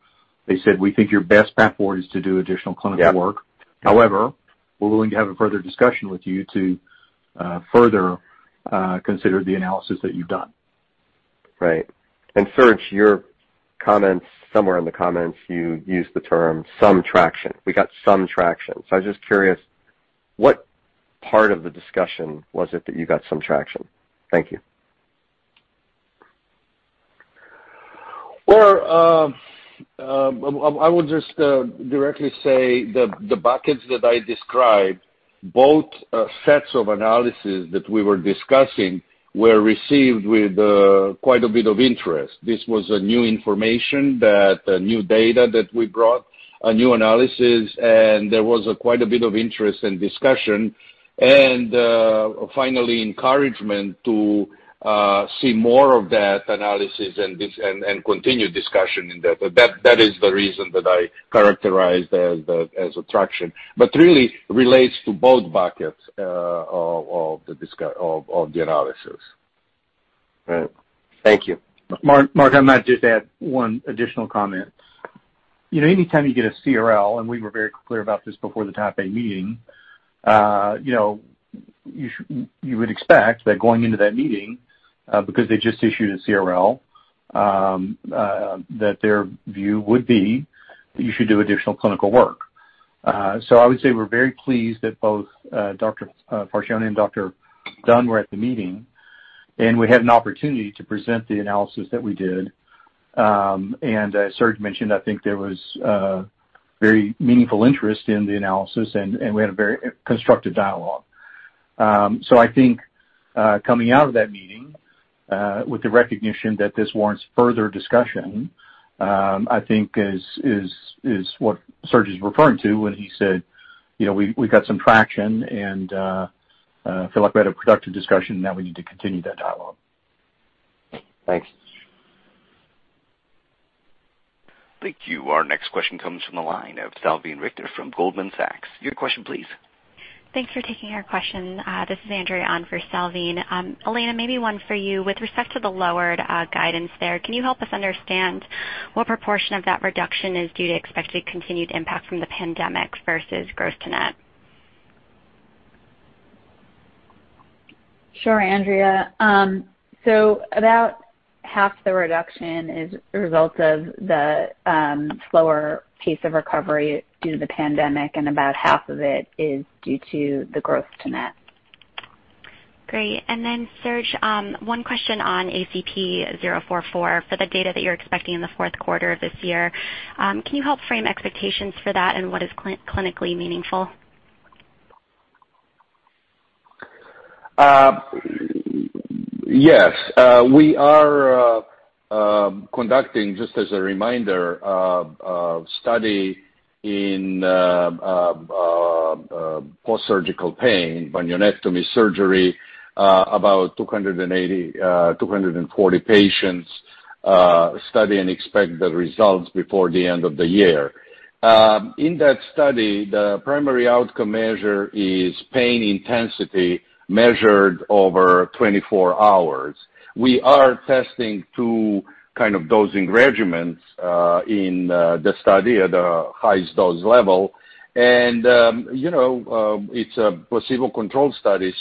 they said, "We think your best path forward is to do additional clinical work.
Yeah.
We're willing to have a further discussion with you to further consider the analysis that you've done.
Right. Serge, somewhere in the comments, you used the term some traction. We got some traction. I was just curious, what part of the discussion was it that you got some traction? Thank you.
I will just directly say the buckets that I described, both sets of analysis that we were discussing were received with quite a bit of interest. This was a new information that new data that we brought. A new analysis, and there was quite a bit of interest and discussion. Finally, encouragement to see more of that analysis and continue discussion in that. That is the reason that I characterized as attraction. Really relates to both buckets of the analysis.
Right. Thank you.
Marc, I might just add one additional comment. Anytime you get a CRL, and we were very clear about this before the Type A meeting, you would expect that going into that meeting, because they just issued a CRL, that their view would be that you should do additional clinical work. I would say we're very pleased that both Dr. Farchione and Dr. Dunn were at the meeting, and we had an opportunity to present the analysis that we did. As Serge mentioned, I think there was very meaningful interest in the analysis, and we had a very constructive dialogue. I think coming out of that meeting with the recognition that this warrants further discussion, I think is what Serge is referring to when he said we got some traction, and I feel like we had a productive discussion, now we need to continue that dialogue.
Thanks.
Thank you. Our next question comes from the line of Salveen Richter from Goldman Sachs. Your question, please.
Thanks for taking our question. This is Andrea on for Salveen. Elena, maybe one for you. With respect to the lowered guidance there, can you help us understand what proportion of that reduction is due to expected continued impact from the pandemic versus gross to net?
Sure, Andrea. About half the reduction is a result of the slower pace of recovery due to the pandemic, and about half of it is due to the gross to net.
Great. Serge, one question on ACP-044 for the data that you're expecting in the Q4 of this year. Can you help frame expectations for that and what is clinically meaningful?
Yes. We are conducting, just as a reminder, a study in post-surgical pain, bunionectomy surgery, about 240 patients study and expect the results before the end of the year. In that study, the primary outcome measure is pain intensity measured over 24 hours. We are testing two kind of dosing regimens in the study at the highest dose level. It's a placebo-controlled study,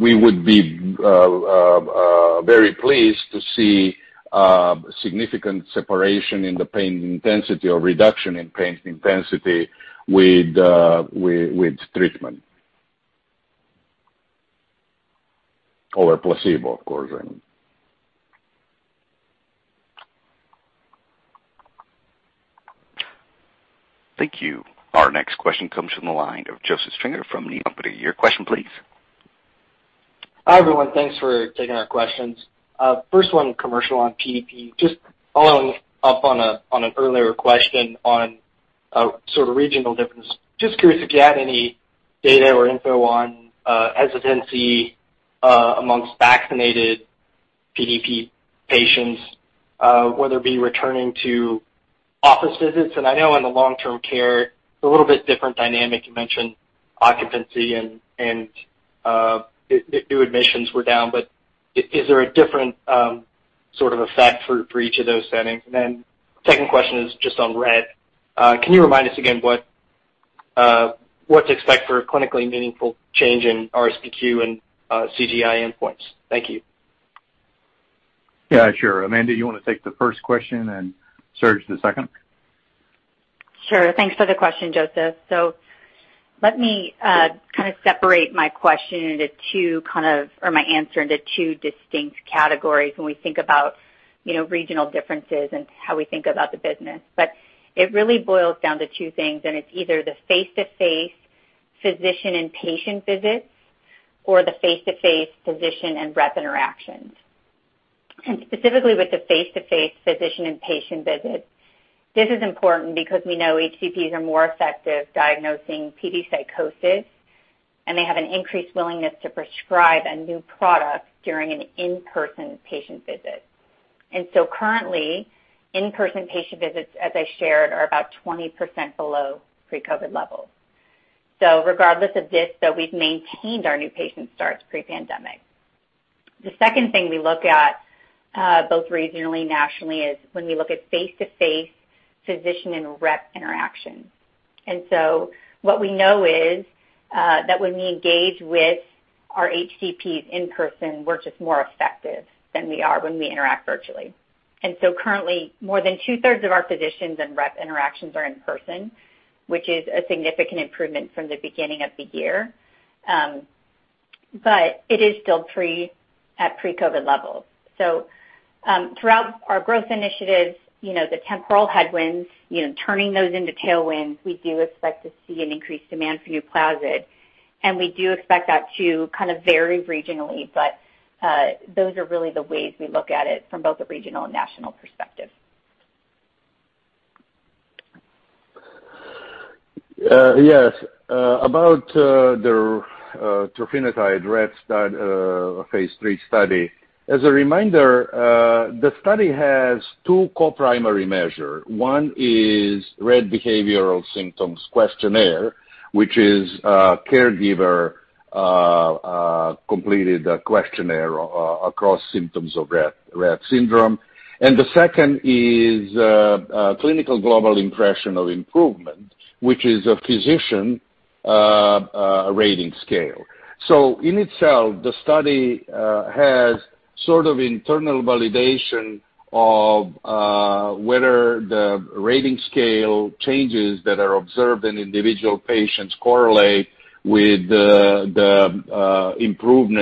we would be very pleased to see significant separation in the pain intensity or reduction in pain intensity with treatment over placebo, of course, I mean.
Thank you. Our next question comes from the line of Joseph Stringer from the Needham & Company. Your question, please.
Hi, everyone. Thanks for taking our questions. First one, commercial on PDP. Following up on an earlier question on sort of regional difference. Curious if you had any data or info on hesitancy amongst vaccinated PDP patients, whether it be returning to office visits. I know in the long-term care, it's a little bit different dynamic. You mentioned occupancy and new admissions were down, but is there a different sort of effect for each of those settings? Second question is just on Rett. Can you remind us again what to expect for a clinically meaningful change in RSBQ and CGI endpoints? Thank you.
Yeah, sure. Amanda, you want to take the first question and Serge the second?
Sure. Thanks for the question, Joseph. Let me kind of separate my question into two kind of, or my answer into two distinct categories when we think about regional differences and how we think about the business. It really boils down to two things, and it's either the face-to-face physician and patient visits or the face-to-face physician and rep interactions. Specifically with the face-to-face physician and patient visits, this is important because we know HCPs are more effective diagnosing Parkinson's disease psychosis, and they have an increased willingness to prescribe a new product during an in-person patient visit. Currently, in-person patient visits, as I shared, are about 20% below pre-COVID levels. Regardless of this, though, we've maintained our new patient starts pre-pandemic. The second thing we look at, both regionally, nationally, is when we look at face-to-face physician and rep interactions. What we know is that when we engage with our HCPs in person, we're just more effective than we are when we interact virtually. Currently, more than 2/3 of our physicians and rep interactions are in person, which is a significant improvement from the beginning of the year. It is still pre-COVID levels. Throughout our growth initiatives, the temporal headwinds, turning those into tailwinds, we do expect to see an increased demand for NUPLAZID We do expect that to kind of vary regionally. Those are really the ways we look at it from both a regional and national perspective.
Yes. About the trofinetide Rett phase III study. As a reminder, the study has two co-primary measures. One is Rett behavioral symptoms questionnaire, which is a caregiver-completed questionnaire across symptoms of Rett syndrome. The second is clinical global impression of improvement, which is a physician rating scale. In itself, the study has sort of internal validation of whether the rating scale changes that are observed in individual patients correlate with the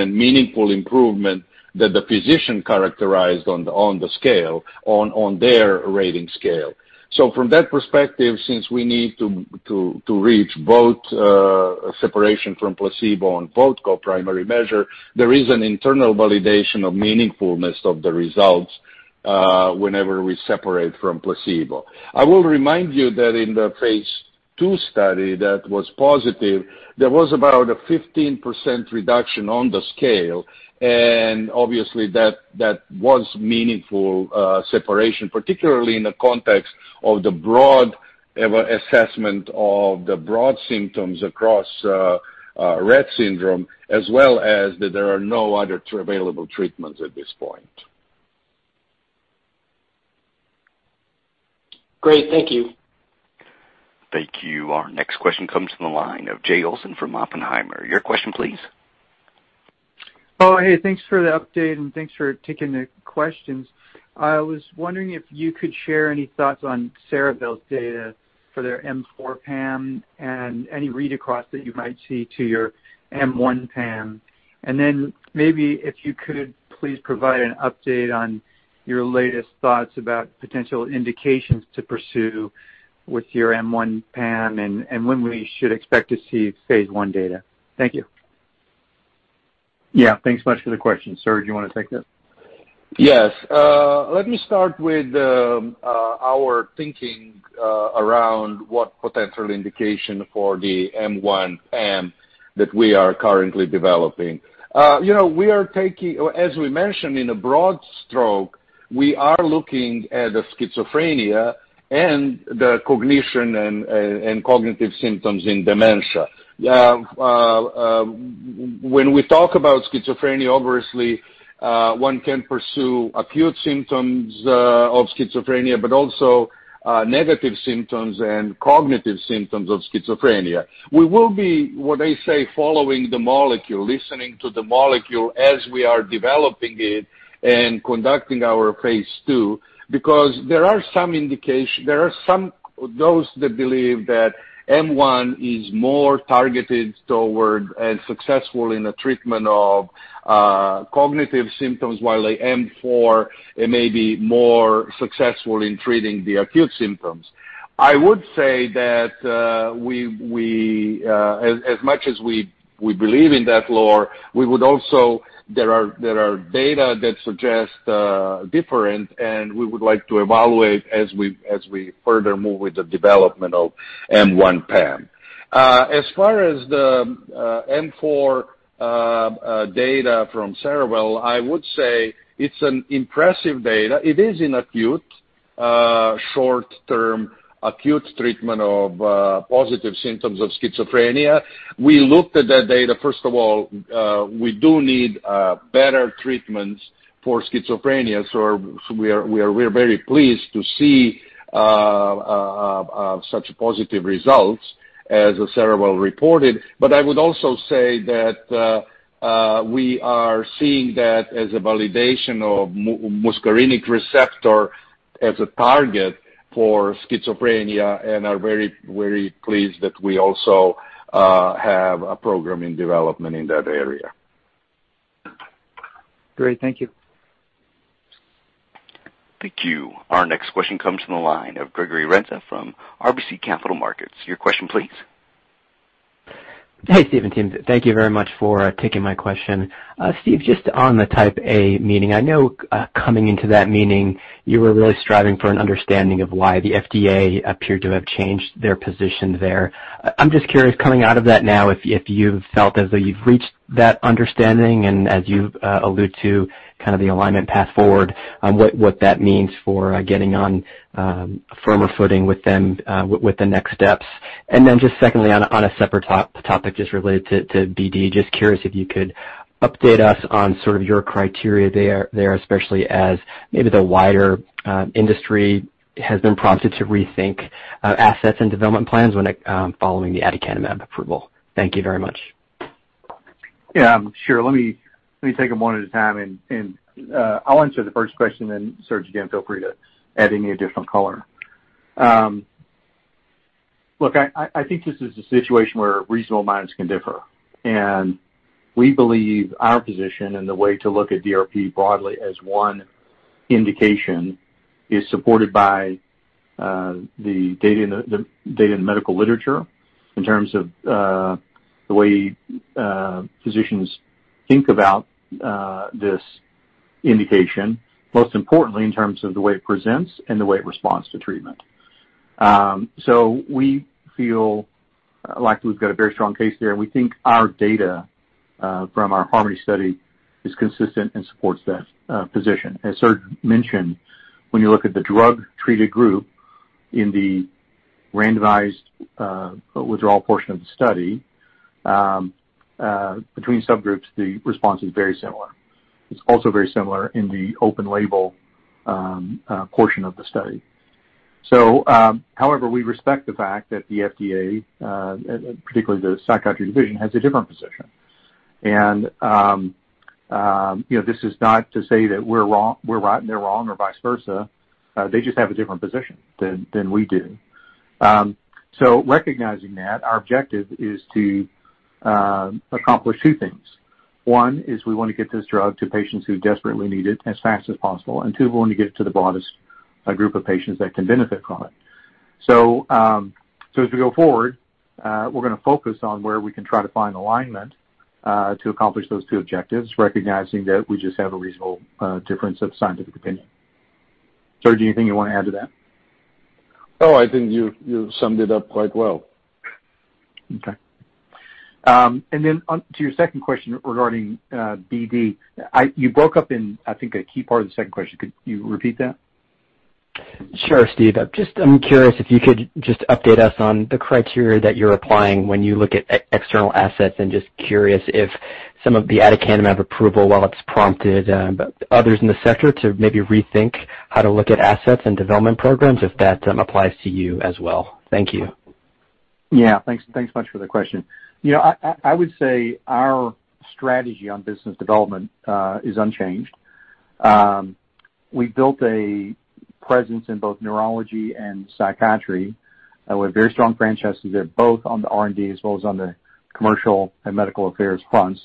meaningful improvement that the physician characterized on their rating scale. From that perspective, since we need to reach both separation from placebo on both co-primary measures, there is an internal validation of meaningfulness of the results whenever we separate from placebo. I will remind you that in the phase II study that was positive, there was about a 15% reduction on the scale. Obviously that was meaningful separation, particularly in the context of the broad assessment of the broad symptoms across Rett syndrome, as well as that there are no other available treatments at this point.
Great. Thank you.
Thank you. Our next question comes from the line of Jay Olson from Oppenheimer. Your question please.
Oh, hey. Thanks for the update and thanks for taking the questions. I was wondering if you could share any thoughts on Cerevel's data for their M4 PAM and any read across that you might see to your M1 PAM. Maybe if you could please provide an update on your latest thoughts about potential indications to pursue with your M1 PAM and when we should expect to see phase I data. Thank you.
Yeah, thanks much for the question. Serge, you want to take this?
Yes. Let me start with our thinking around what potential indication for the M1 PAM that we are currently developing. As we mentioned, in a broad stroke, we are looking at schizophrenia and the cognition and cognitive symptoms in dementia. When we talk about schizophrenia, obviously, one can pursue acute symptoms of schizophrenia, but also negative symptoms and cognitive symptoms of schizophrenia. We will be, what I say, following the molecule, listening to the molecule as we are developing it and conducting our phase II, because there are those that believe that M1 is more targeted toward and successful in the treatment of cognitive symptoms, while M4 may be more successful in treating the acute symptoms. I would say that as much as we believe in that lore, there are data that suggest different, and we would like to evaluate as we further move with the development of M1 PAM. As far as the M4 data from Cerevel, I would say it's an impressive data. It is in acute, short-term, acute treatment of positive symptoms of schizophrenia. We looked at that data. First of all, we do need better treatments for schizophrenia. We are very pleased to see such positive results as Cerevel reported. I would also say that we are seeing that as a validation of muscarinic receptor as a target for schizophrenia and are very pleased that we also have a program in development in that area.
Great. Thank you.
Thank you. Our next question comes from the line of Gregory Renza from RBC Capital Markets. Your question please.
Hey, Steve and team. Thank you very much for taking my question. Steve, just on the Type A meeting, I know coming into that meeting, you were really striving for an understanding of why the FDA appeared to have changed their position there. I'm just curious, coming out of that now, if you've felt as though you've reached that understanding and as you allude to kind of the alignment path forward, what that means for getting on firmer footing with them with the next steps. Then just secondly, on a separate topic just related to BD, just curious if you could update us on sort of your criteria there, especially as maybe the wider industry has been prompted to rethink assets and development plans following the aducanumab approval. Thank you very much.
Yeah, sure. Let me take them one at a time, and I'll answer the first question, then Serge, again, feel free to add any additional color. Look, I think this is a situation where reasonable minds can differ. We believe our position and the way to look at DRP broadly as one indication is supported by the data in the medical literature in terms of the way physicians think about this indication, most importantly in terms of the way it presents and the way it responds to treatment. We feel like we've got a very strong case there, and we think our data from our HARMONY study is consistent and supports that position. As Serge mentioned, when you look at the drug-treated group in the randomized withdrawal portion of the study, between subgroups, the response is very similar. It's also very similar in the open label portion of the study. However, we respect the fact that the FDA, particularly the Psychiatry Division, has a different position. This is not to say that we're right and they're wrong, or vice versa. They just have a different position than we do. Recognizing that, our objective is to accomplish two things. One is we want to get this drug to patients who desperately need it as fast as possible, and two, we want to get it to the broadest group of patients that can benefit from it. As we go forward, we're going to focus on where we can try to find alignment to accomplish those two objectives, recognizing that we just have a reasonable difference of scientific opinion. Serge, anything you want to add to that?
No, I think you summed it up quite well.
Okay. On to your second question regarding BD. You broke up in, I think, a key part of the second question. Could you repeat that?
Sure, Steve. I'm curious if you could just update us on the criteria that you're applying when you look at external assets and just curious if some of the aducanumab approval, while it's prompted others in the sector to maybe rethink how to look at assets and development programs, if that applies to you as well. Thank you.
Yeah. Thanks much for the question. I would say our strategy on business development is unchanged. We built a presence in both neurology and psychiatry with very strong franchises at both on the R&D as well as on the commercial and medical affairs fronts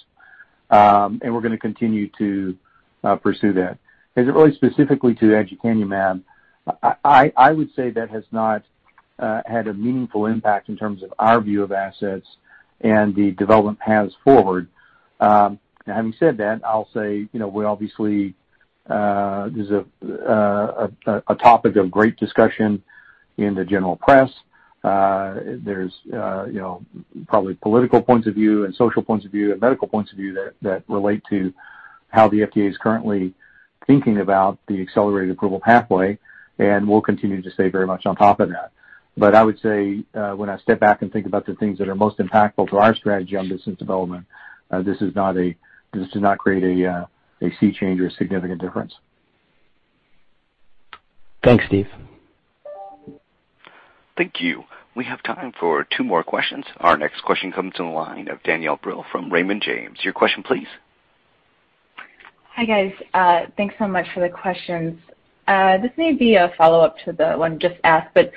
and we're going to continue to pursue that. As it relates specifically to aducanumab, I would say that has not had a meaningful impact in terms of our view of assets and the development paths forward. Having said that, I'll say, obviously, there's a topic of great discussion in the general press. There's probably political points of view and social points of view and medical points of view that relate to how the FDA is currently thinking about the accelerated approval pathway and we'll continue to stay very much on top of that. I would say when I step back and think about the things that are most impactful to our strategy on business development, this does not create a sea change or a significant difference.
Thanks, Steve.
Thank you. We have time for two more questions. Our next question comes from the line of Danielle Brill from Raymond James. Your question, please.
Hi, guys. Thanks so much for the questions. This may be a follow-up to the one just asked, but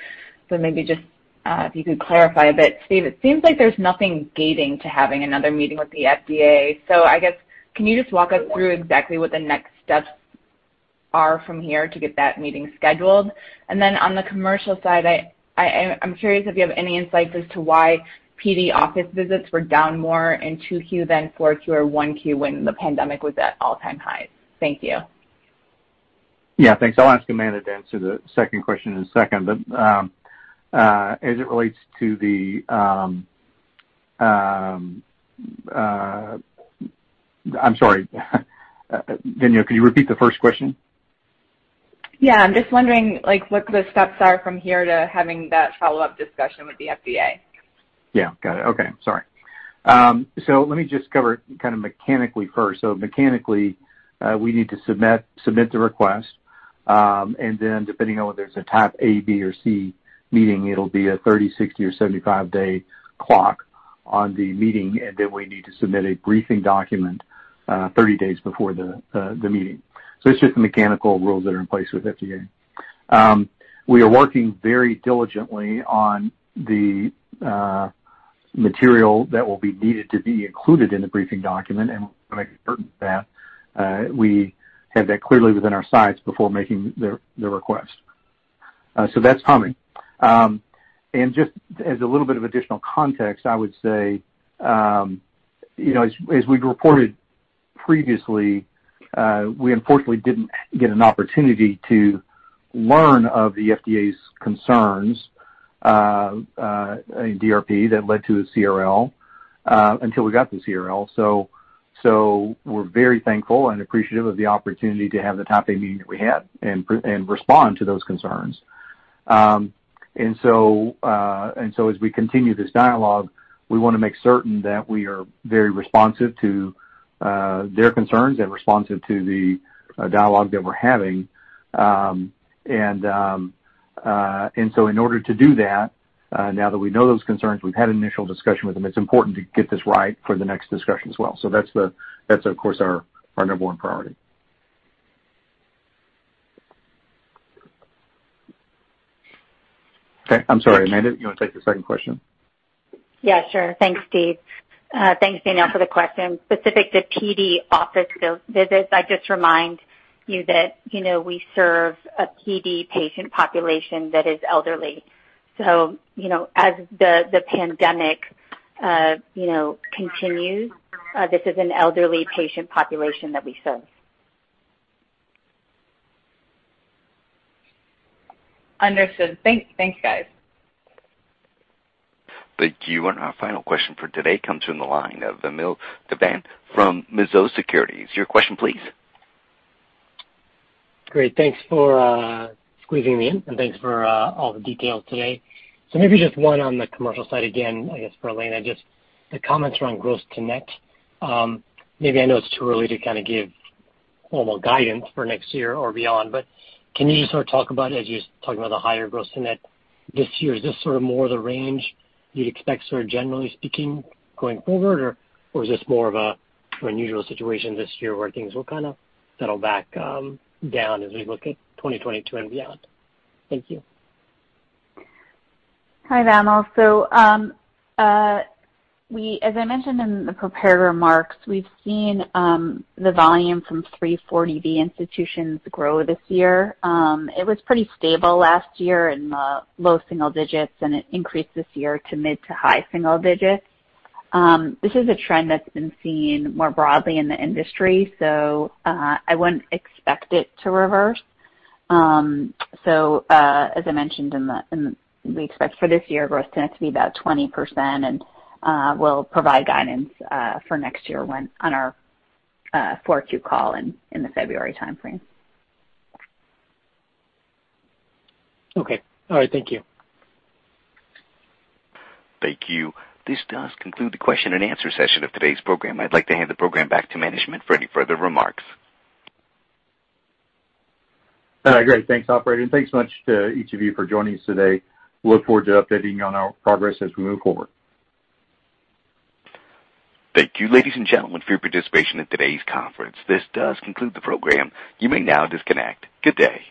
maybe just if you could clarify a bit. Steve, it seems like there's nothing gating to having another meeting with the FDA. I guess, can you just walk us through exactly what the next steps are from here to get that meeting scheduled? On the commercial side, I'm curious if you have any insights as to why PD office visits were down more in Q2 than Q4 or Q1 when the pandemic was at all-time highs. Thank you.
Yeah, thanks. I'll ask Amanda to answer the second question in a second. I'm sorry. Danielle, could you repeat the first question?
Yeah. I'm just wondering what the steps are from here to having that follow-up discussion with the FDA.
Yeah. Got it. Okay. Sorry. Let me just cover it kind of mechanically first. Mechanically, we need to submit the request and then depending on whether it's a Type A, B, or C meeting, it'll be a 30, 60, or 75-day clock on the meeting, and then we need to submit a briefing document 30 days before the meeting. It's just the mechanical rules that are in place with FDA. We are working very diligently on the material that will be needed to be included in the briefing document, and we want to make certain that we have that clearly within our sights before making the request. That's coming. Just as a little bit of additional context, I would say, as we've reported previously, we unfortunately didn't get an opportunity to learn of the FDA's concerns in DRP that led to the CRL until we got the CRL. We're very thankful and appreciative of the opportunity to have the Type A meeting that we had and respond to those concerns. As we continue this dialogue, we want to make certain that we are very responsive to their concerns and responsive to the dialogue that we're having. In order to do that, now that we know those concerns, we've had initial discussion with them, it's important to get this right for the next discussion as well. That's, of course, our number one priority. Okay. I'm sorry, Amanda, do you want to take the second question?
Yeah, sure. Thanks, Steve. Thanks, Danielle, for the question. Specific to PD office visits, I'd just remind you that we serve a PD patient population that is elderly. As the pandemic continues, this is an elderly patient population that we serve.
Understood. Thank you, guys.
Thank you. Our final question for today comes from the line of Vamil Divan from Mizuho Securities. Your question, please.
Great. Thanks for squeezing me in, and thanks for all the details today. Maybe just one on the commercial side again, I guess, for Elena Ridloff. Just the comments around gross to net. Maybe I know it's too early to give formal guidance for next year or beyond, but can you just talk about, as you were talking about the higher gross to net this year, is this more the range you'd expect, generally speaking, going forward? Is this more of an unusual situation this year where things will kind of settle back down as we look at 2022 and beyond? Thank you.
Hi, Vamil. As I mentioned in the prepared remarks, we've seen the volume from 340B institutions grow this year. It was pretty stable last year in the low single digits, and it increased this year to mid to high single digits. This is a trend that's been seen more broadly in the industry. I wouldn't expect it to reverse. As I mentioned, we expect for this year growth to be about 20%, and we'll provide guidance for next year on our fourth Q call in the February timeframe.
Okay. All right. Thank you.
Thank you. This does conclude the Q&A session of today's program. I'd like to hand the program back to management for any further remarks.
Great. Thanks, operator, and thanks much to each of you for joining us today. Look forward to updating you on our progress as we move forward.
Thank you, ladies and gentlemen, for your participation in today's conference. This does conclude the program. You may now disconnect. Good day.